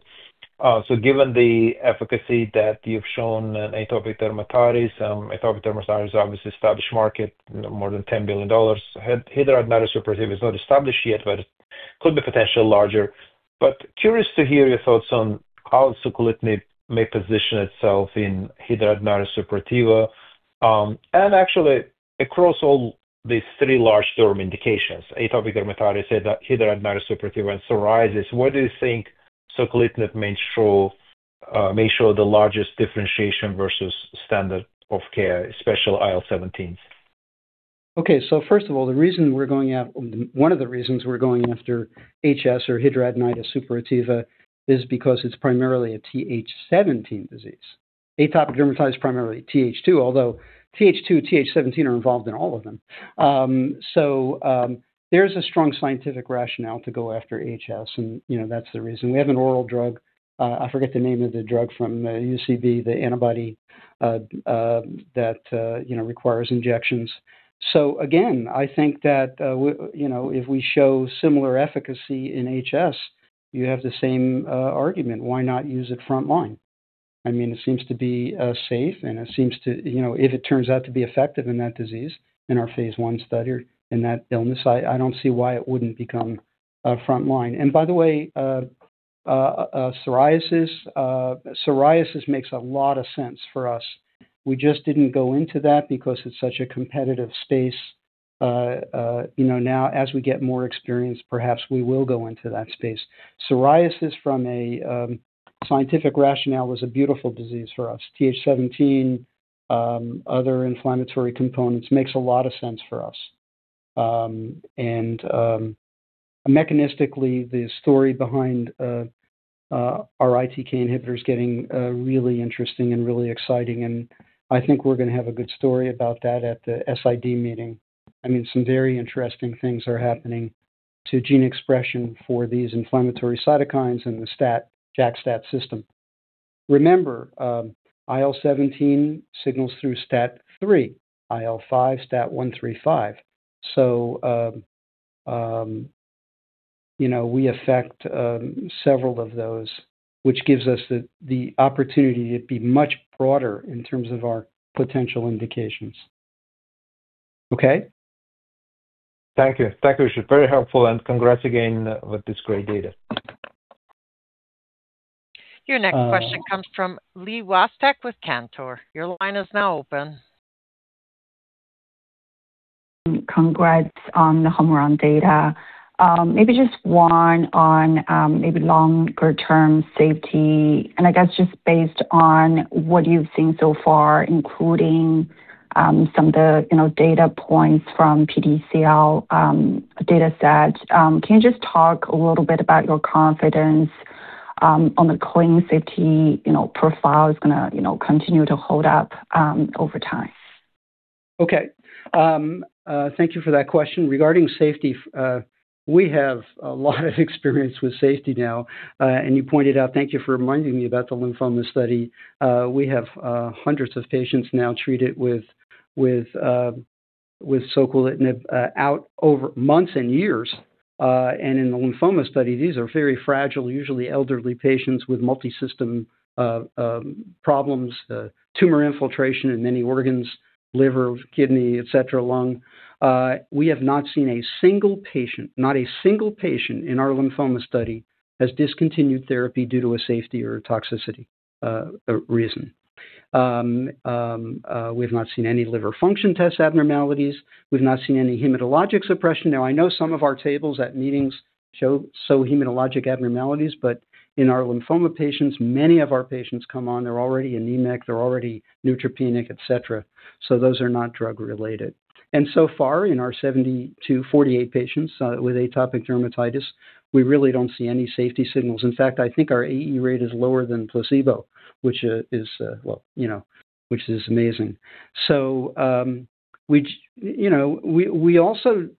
[SPEAKER 5] So given the efficacy that you've shown in atopic dermatitis, atopic dermatitis is obviously established market, more than $10 billion. Hidradenitis suppurativa is not established yet, but it could be potentially larger. Curious to hear your thoughts on how Soquelitinib may position itself in hidradenitis suppurativa. Actually, across all these three large drug indications, atopic dermatitis, hidradenitis suppurativa, and psoriasis, what do you think Soquelitinib may show the largest differentiation versus standard of care, especially IL-17s?
[SPEAKER 3] Okay. First of all, the reason we're going after one of the reasons we're going after HS or hidradenitis suppurativa is because it's primarily a Th17 disease. Atopic dermatitis is primarily Th2, although Th2 and Th17 are involved in all of them. There's a strong scientific rationale to go after HS, and that's the reason. We have an oral drug. I forget the name of the drug from UCB, the antibody that requires injections. Again, I think that if we show similar efficacy in HS, you have the same argument. Why not use it front-line? I mean, it seems to be safe, and it seems to, if it turns out to be effective in that disease, in our phase I study in that illness, I don't see why it wouldn't become front-line. And by the way, psoriasis makes a lot of sense for us. We just didn't go into that because it's such a competitive space. Now, as we get more experience, perhaps we will go into that space. Psoriasis, from a scientific rationale, was a beautiful disease for us. Th17, other inflammatory components, makes a lot of sense for us. And mechanistically, the story behind our ITK inhibitors is getting really interesting and really exciting. And I think we're going to have a good story about that at the SID meeting. I mean, some very interesting things are happening to gene expression for these inflammatory cytokines and the JAK-STAT system. Remember, IL-17 signals through STAT3, IL-5, STAT1, STAT3, STAT5. So we affect several of those, which gives us the opportunity to be much broader in terms of our potential indications. Okay?
[SPEAKER 5] Thank you. Thank you, Richard. Very helpful. And congrats again with this great data.
[SPEAKER 1] Your next question comes from Li Watsek with Cantor. Your line is now open.
[SPEAKER 6] Congrats on the home run data. Maybe just one on maybe longer-term safety. And I guess just based on what you've seen so far, including some of the data points from PTCL datasets, can you just talk a little bit about your confidence on the clinical safety profile is going to continue to hold up over time?
[SPEAKER 3] Okay. Thank you for that question. Regarding safety, we have a lot of experience with safety now. You pointed out, thank you for reminding me about the lymphoma study. We have hundreds of patients now treated with Soquelitinib out over months and years. In the lymphoma study, these are very fragile, usually elderly patients with multisystem problems, tumor infiltration in many organs, liver, kidney, etc., lung. We have not seen a single patient, not a single patient in our lymphoma study, has discontinued therapy due to a safety or toxicity reason. We have not seen any liver function test abnormalities. We've not seen any hematologic suppression. Now, I know some of our tables at meetings show hematologic abnormalities, but in our lymphoma patients, many of our patients come on, they're already anemic, they're already neutropenic, etc. Those are not drug-related. So far, in our 70 to 48 patients with atopic dermatitis, we really don't see any safety signals. In fact, I think our AE rate is lower than placebo, which is, well, which is amazing. We also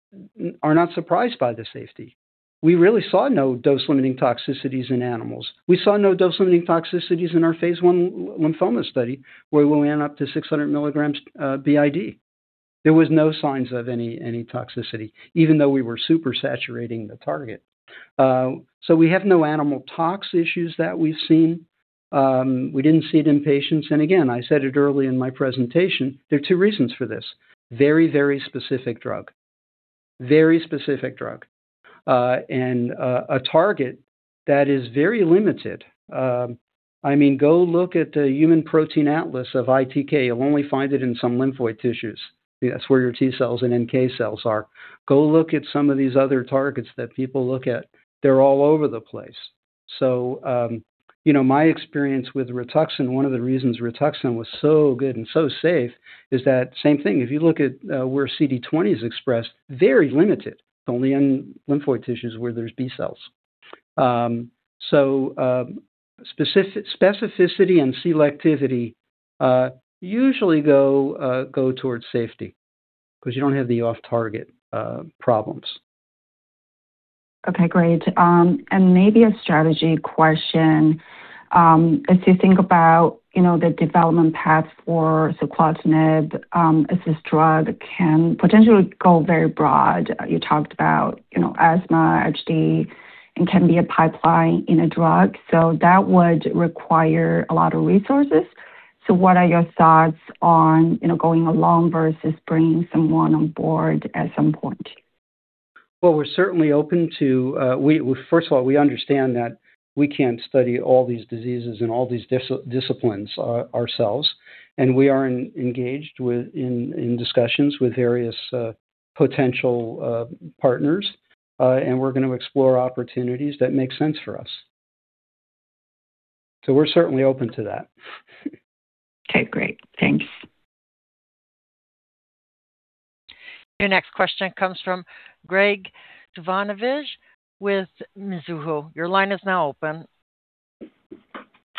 [SPEAKER 3] are not surprised by the safety. We really saw no dose-limiting toxicities in animals. We saw no dose-limiting toxicities in our phase I lymphoma study where we went up to 600 milligrams b.i.d. There were no signs of any toxicity, even though we were super saturating the target. We have no animal tox issues that we've seen. We didn't see it in patients. Again, I said it early in my presentation, there are two reasons for this. Very, very specific drug. Very specific drug. A target that is very limited. I mean, go look at the Human Protein Atlas of ITK. You'll only find it in some lymphoid tissues. That's where your T cells and NK cells are. Go look at some of these other targets that people look at. They're all over the place. So my experience with Rituxan, one of the reasons Rituxan was so good and so safe is that same thing. If you look at where CD20 is expressed, very limited. It's only in lymphoid tissues where there's B cells. So specificity and selectivity usually go towards safety because you don't have the off-target problems.
[SPEAKER 6] Okay. Great. And maybe a strategy question. If you think about the development path for Soquelitinib, as this drug can potentially go very broad. You talked about asthma, HS, and can be a pipeline in a drug. So that would require a lot of resources. So what are your thoughts on going alone versus bringing someone on board at some point?
[SPEAKER 3] Well, we're certainly open to, first of all, we understand that we can't study all these diseases and all these disciplines ourselves. And we are engaged in discussions with various potential partners. And we're going to explore opportunities that make sense for us. So we're certainly open to that.
[SPEAKER 6] Okay. Great. Thanks.
[SPEAKER 1] Your next question comes from Graig Suvannavejh with Mizuho. Your line is now open.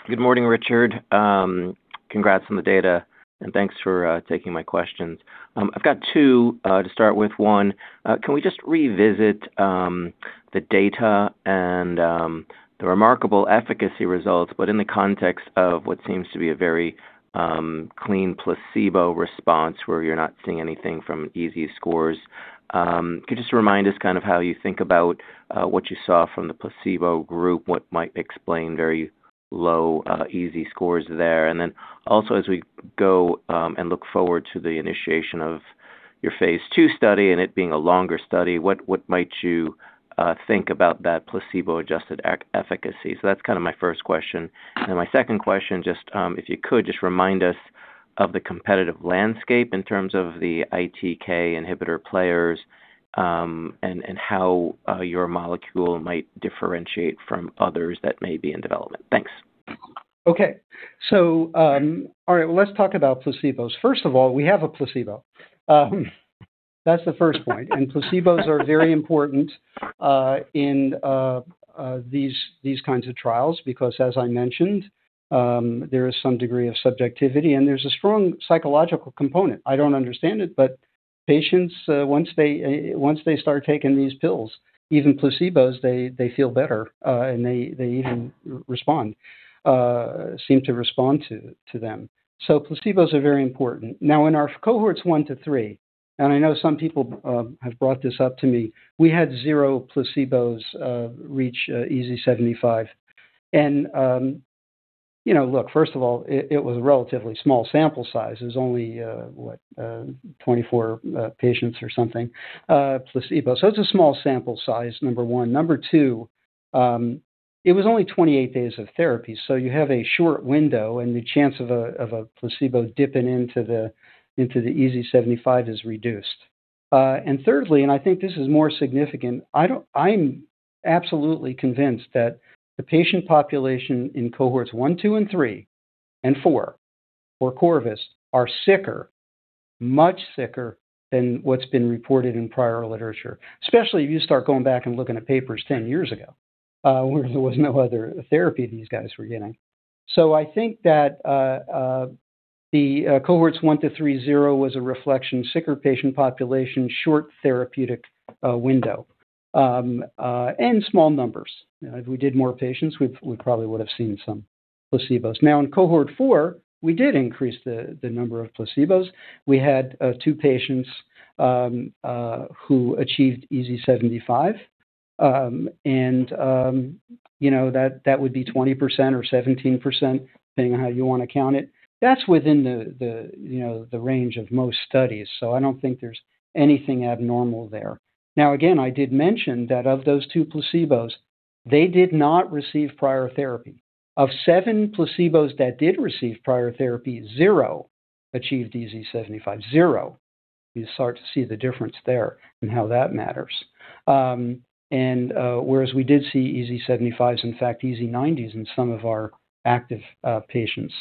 [SPEAKER 7] Good morning, Richard. Congrats on the data. And thanks for taking my questions. I've got two to start with. One, can we just revisit the data and the remarkable efficacy results, but in the context of what seems to be a very clean placebo response where you're not seeing anything from EASI scores? Could you just remind us kind of how you think about what you saw from the placebo group, what might explain very low EASI scores there? And then also, as we go and look forward to the initiation of your phase II study and it being a longer study, what might you think about that placebo-adjusted efficacy? So that's kind of my first question. And my second question, just if you could, just remind us of the competitive landscape in terms of the ITK inhibitor players and how your molecule might differentiate from others that may be in development. Thanks.
[SPEAKER 3] Okay. So all right, well, let's talk about placebos. First of all, we have a placebo. That's the first point. And placebos are very important in these kinds of trials because, as I mentioned, there is some degree of subjectivity, and there's a strong psychological component. I don't understand it, but patients, once they start taking these pills, even placebos, they feel better, and they even respond, seem to respond to them. Placebos are very important. Now, in our Cohorts 1 to 3, and I know some people have brought this up to me, we had zero placebos reach EASI 75. Look, first of all, it was a relatively small sample size. It was only, what, 24 patients or something placebo. It's a small sample size, number one. Number two, it was only 28 days of therapy. You have a short window, and the chance of a placebo dipping into the EASI 75 is reduced. Thirdly, and I think this is more significant, I'm absolutely convinced that the patient population in Cohorts 1, 2, and 3, and 4, of Corvus, are sicker, much sicker than what's been reported in prior literature, especially if you start going back and looking at papers 10 years ago where there was no other therapy these guys were getting. So I think that the Cohorts 1 to 3 zero was a reflection of sicker patient population, short therapeutic window, and small numbers. If we did more patients, we probably would have seen some placebos. Now, in Cohort 4, we did increase the number of placebos. We had two patients who achieved EASI 75. And that would be 20% or 17%, depending on how you want to count it. That's within the range of most studies. So I don't think there's anything abnormal there. Now, again, I did mention that of those two placebos, they did not receive prior therapy. Of seven placebos that did receive prior therapy, zero achieved EASI 75. Zero. You start to see the difference there and how that matters. And whereas we did see EASI 75s, in fact, EASI 90s in some of our active patients.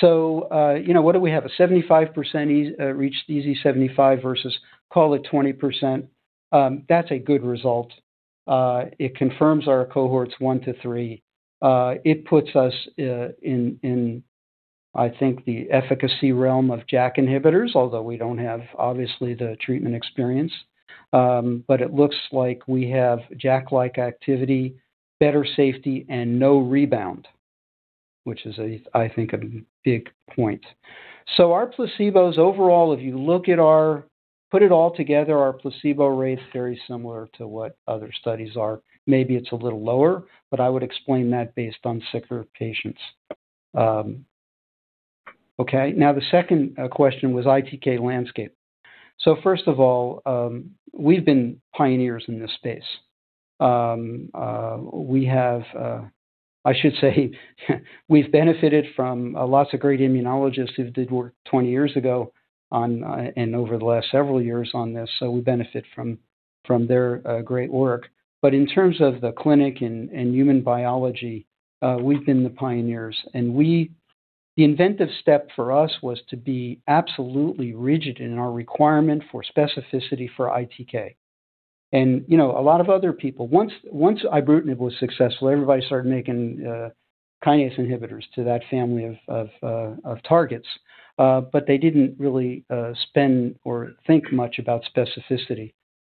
[SPEAKER 3] So what do we have? A 75% reached EASI 75 versus call it 20%. That's a good result. It confirms our Cohorts 1 to 3. It puts us in, I think, the efficacy realm of JAK inhibitors, although we don't have, obviously, the treatment experience. But it looks like we have JAK-like activity, better safety, and no rebound, which is, I think, a big point. So our placebos overall, if you look at our put it all together, our placebo rate is very similar to what other studies are. Maybe it's a little lower, but I would explain that based on sicker patients. Okay. Now, the second question was ITK landscape. So first of all, we've been pioneers in this space. We have, I should say, we've benefited from lots of great immunologists who did work 20 years ago and over the last several years on this. So we benefit from their great work. But in terms of the clinic and human biology, we've been the pioneers. And the inventive step for us was to be absolutely rigid in our requirement for specificity for ITK. And a lot of other people, once ibrutinib was successful, everybody started making kinase inhibitors to that family of targets. But they didn't really spend or think much about specificity.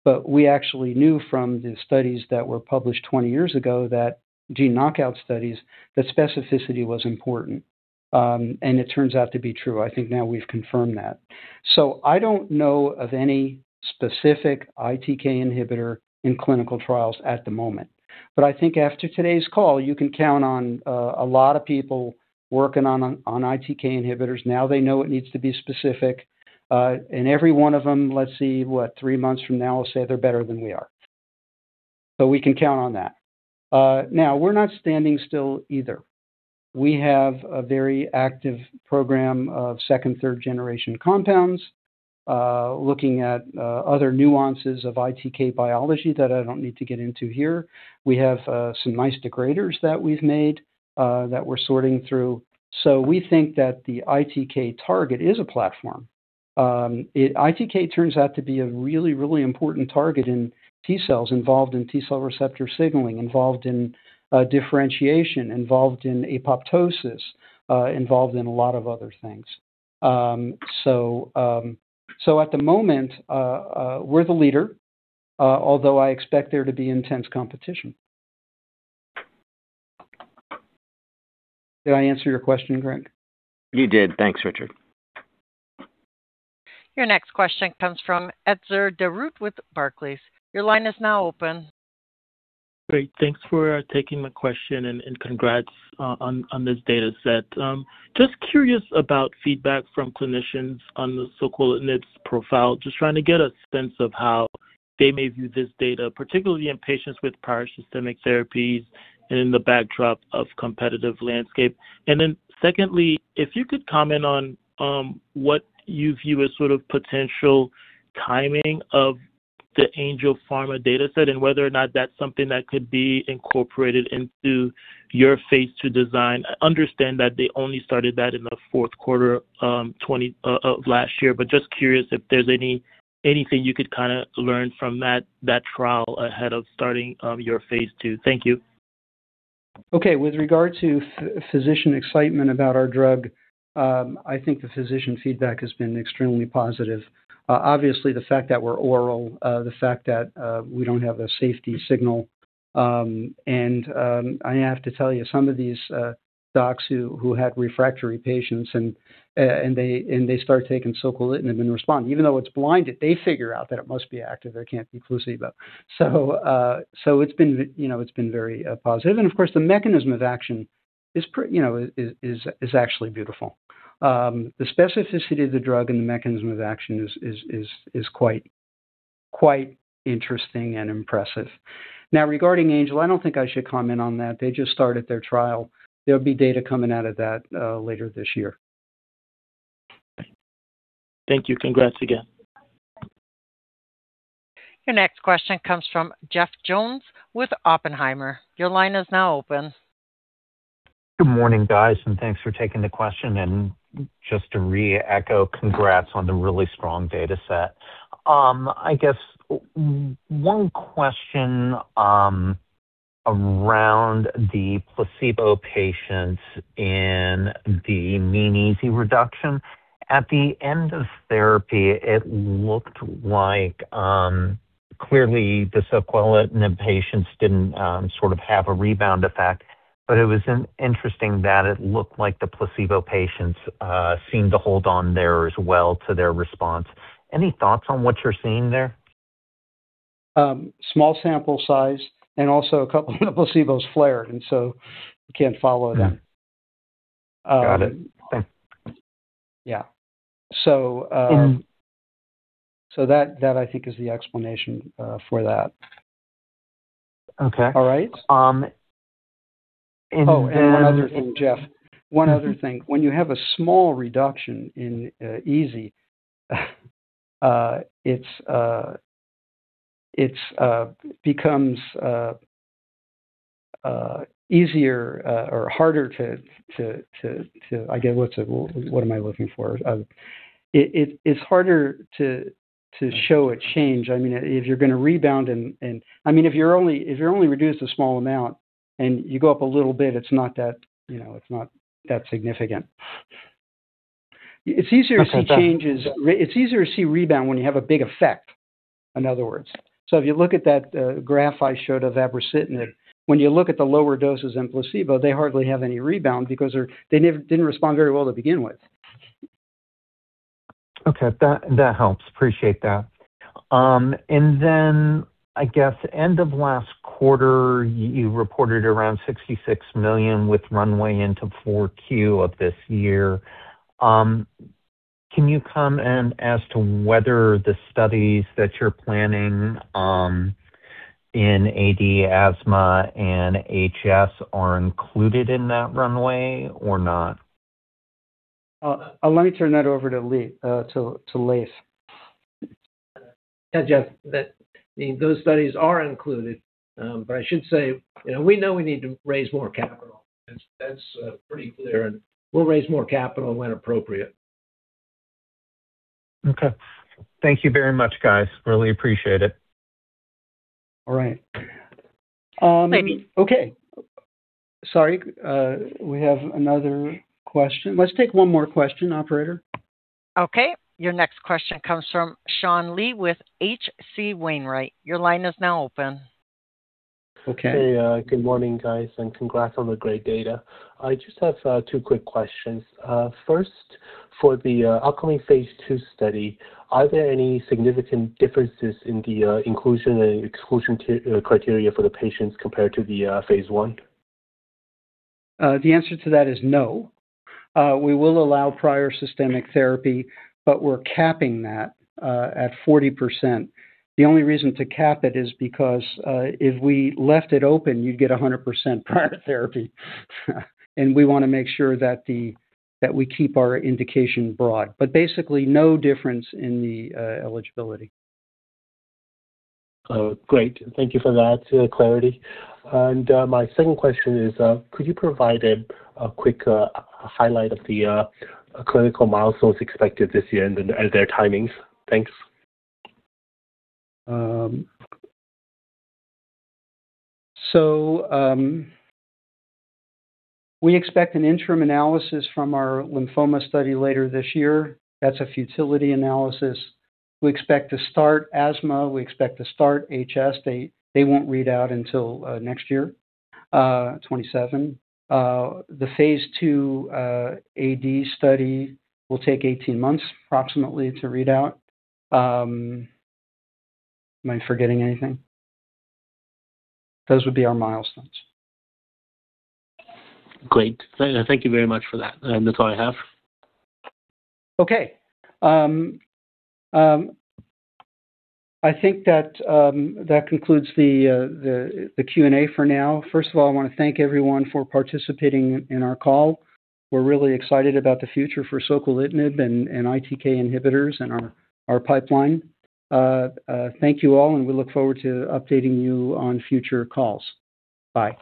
[SPEAKER 3] But we actually knew from the studies that were published 20 years ago, that gene knockout studies, that specificity was important. And it turns out to be true. I think now we've confirmed that. So I don't know of any specific ITK inhibitor in clinical trials at the moment. But I think after today's call, you can count on a lot of people working on ITK inhibitors. Now they know it needs to be specific. And every one of them, let's see, what, three months from now will say they're better than we are. So we can count on that. Now, we're not standing still either. We have a very active program of second, third-generation compounds, looking at other nuances of ITK biology that I don't need to get into here. We have some nice degraders that we've made that we're sorting through. So we think that the ITK target is a platform. ITK turns out to be a really, really important target in T cells involved in T cell receptor signaling, involved in differentiation, involved in apoptosis, involved in a lot of other things. So at the moment, we're the leader, although I expect there to be intense competition. Did I answer your question, Graig?
[SPEAKER 7] You did. Thanks, Richard.
[SPEAKER 1] Your next question comes from Etzer Darout with Barclays. Your line is now open.
[SPEAKER 8] Great. Thanks for taking my question and congrats on this dataset. Just curious about feedback from clinicians on the Soquelitinib's acts as a proper noun in the context of pharmacology and medicine. It is the non-proprietary (generic) name for an experimental, orally active, small-molecule drug (CPI-818). profile, just trying to get a sense of how they may view this data, particularly in patients with prior systemic therapies and in the backdrop of competitive landscape. And then secondly, if you could comment on what you view as sort of potential timing of the Angel Pharmaceuticals dataset and whether or not that's something that could be incorporated into your phase II design. I understand that they only started that in the fourth quarter of last year, but just curious if there's anything you could kind of learn from that trial ahead of starting your phase II. Thank you.
[SPEAKER 3] Okay. With regard to physician excitement about our drug, I think the physician feedback has been extremely positive. Obviously, the fact that we're oral, the fact that we don't have a safety signal. And I have to tell you, some of these docs who had refractory patients, and they start taking Soquelitinib and respond. Even though it's blinded, they figure out that it must be active. It can't be placebo. So it's been very positive. And of course, the mechanism of action is actually beautiful. The specificity of the drug and the mechanism of action is quite interesting and impressive. Now, regarding Etzer, I don't think I should comment on that. They just started their trial. There'll be data coming out of that later this year.
[SPEAKER 8] Thank you. Congrats again.
[SPEAKER 1] Your next question comes from Jeff Jones with Oppenheimer. Your line is now open.
[SPEAKER 9] Good morning, guys. And thanks for taking the question. And just to re-echo, congrats on the really strong dataset. I guess one question around the placebo patients in the mean EASI reduction. At the end of therapy, it looked like clearly the Soquelitinib patients didn't sort of have a rebound effect. But it was interesting that it looked like the placebo patients seemed to hold on there as well to their response. Any thoughts on what you're seeing there?
[SPEAKER 3] Small sample size. And also, a couple of the placebos flared. And so you can't follow them.
[SPEAKER 9] Got it.
[SPEAKER 3] Yeah. So that, I think, is the explanation for that.
[SPEAKER 9] All right? Oh,
[SPEAKER 3] and one other thing, Jeff. One other thing. When you have a small reduction in EASI, it becomes easier or harder to—I guess, what's it? What am I looking for? It's harder to show a change. I mean, if you're going to rebound and I mean, if you're only reduced a small amount and you go up a little bit, it's not that it's not that significant. It's easier to see changes. It's easier to see rebound when you have a big effect, in other words. So if you look at that graph I showed of abrocitinib, when you look at the lower doses in placebo, they hardly have any rebound because they didn't respond very well to begin with.
[SPEAKER 9] Okay. That helps. Appreciate that. And then, I guess, end of last quarter, you reported around $66 million with runway into Q4 of this year. Can you comment as to whether the studies that you're planning in AD, asthma, and HS are included in that runway or not?
[SPEAKER 3] Let me turn that over to Leiv.
[SPEAKER 10] Yeah, Jeff, those studies are included. But I should say we know we need to raise more capital.
[SPEAKER 9] That's pretty clear.
[SPEAKER 10] And we'll raise more capital when appropriate.
[SPEAKER 9] Okay. Thank you very much, guys. Really appreciate it.
[SPEAKER 3] All right. Okay. Sorry. We have another question. Let's take one more question, operator.
[SPEAKER 1] Okay. Your next question comes from Sean Lee with H.C. Wainwright. Your line is now open.
[SPEAKER 11] Okay. Good morning, guys. And congrats on the great data. I just have two quick questions. First, for the upcoming phase two study, are there any significant differences in the inclusion and exclusion criteria for the patients compared to the phase one?
[SPEAKER 3] The answer to that is no. We will allow prior systemic therapy, but we're capping that at 40%. The only reason to cap it is because if we left it open, you'd get 100% prior therapy. And we want to make sure that we keep our indication broad. But basically, no difference in the eligibility.
[SPEAKER 11] Great. Thank you for that clarity. And my second question is, could you provide a quick highlight of the clinical milestones expected this year and their timings? Thanks.
[SPEAKER 10] So we expect an interim analysis from our lymphoma study later this year. That's a futility analysis. We expect to start asthma. We expect to start HS. They won't read out until next year, 2027. The phase two AD study will take 18 months approximately to read out. Am I forgetting anything? Those would be our milestones.
[SPEAKER 11] Great. Thank you very much for that. That's all I have.
[SPEAKER 3] Okay. I think that concludes the Q&A for now. First of all, I want to thank everyone for participating in our call. We're really excited about the future for Soquelitinib and ITK inhibitors in our pipeline. Thank you all, and we look forward to updating you on future calls. Bye.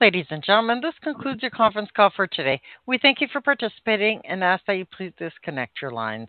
[SPEAKER 1] Ladies and gentlemen, this concludes your conference call for today. We thank you for participating and ask that you please disconnect your lines.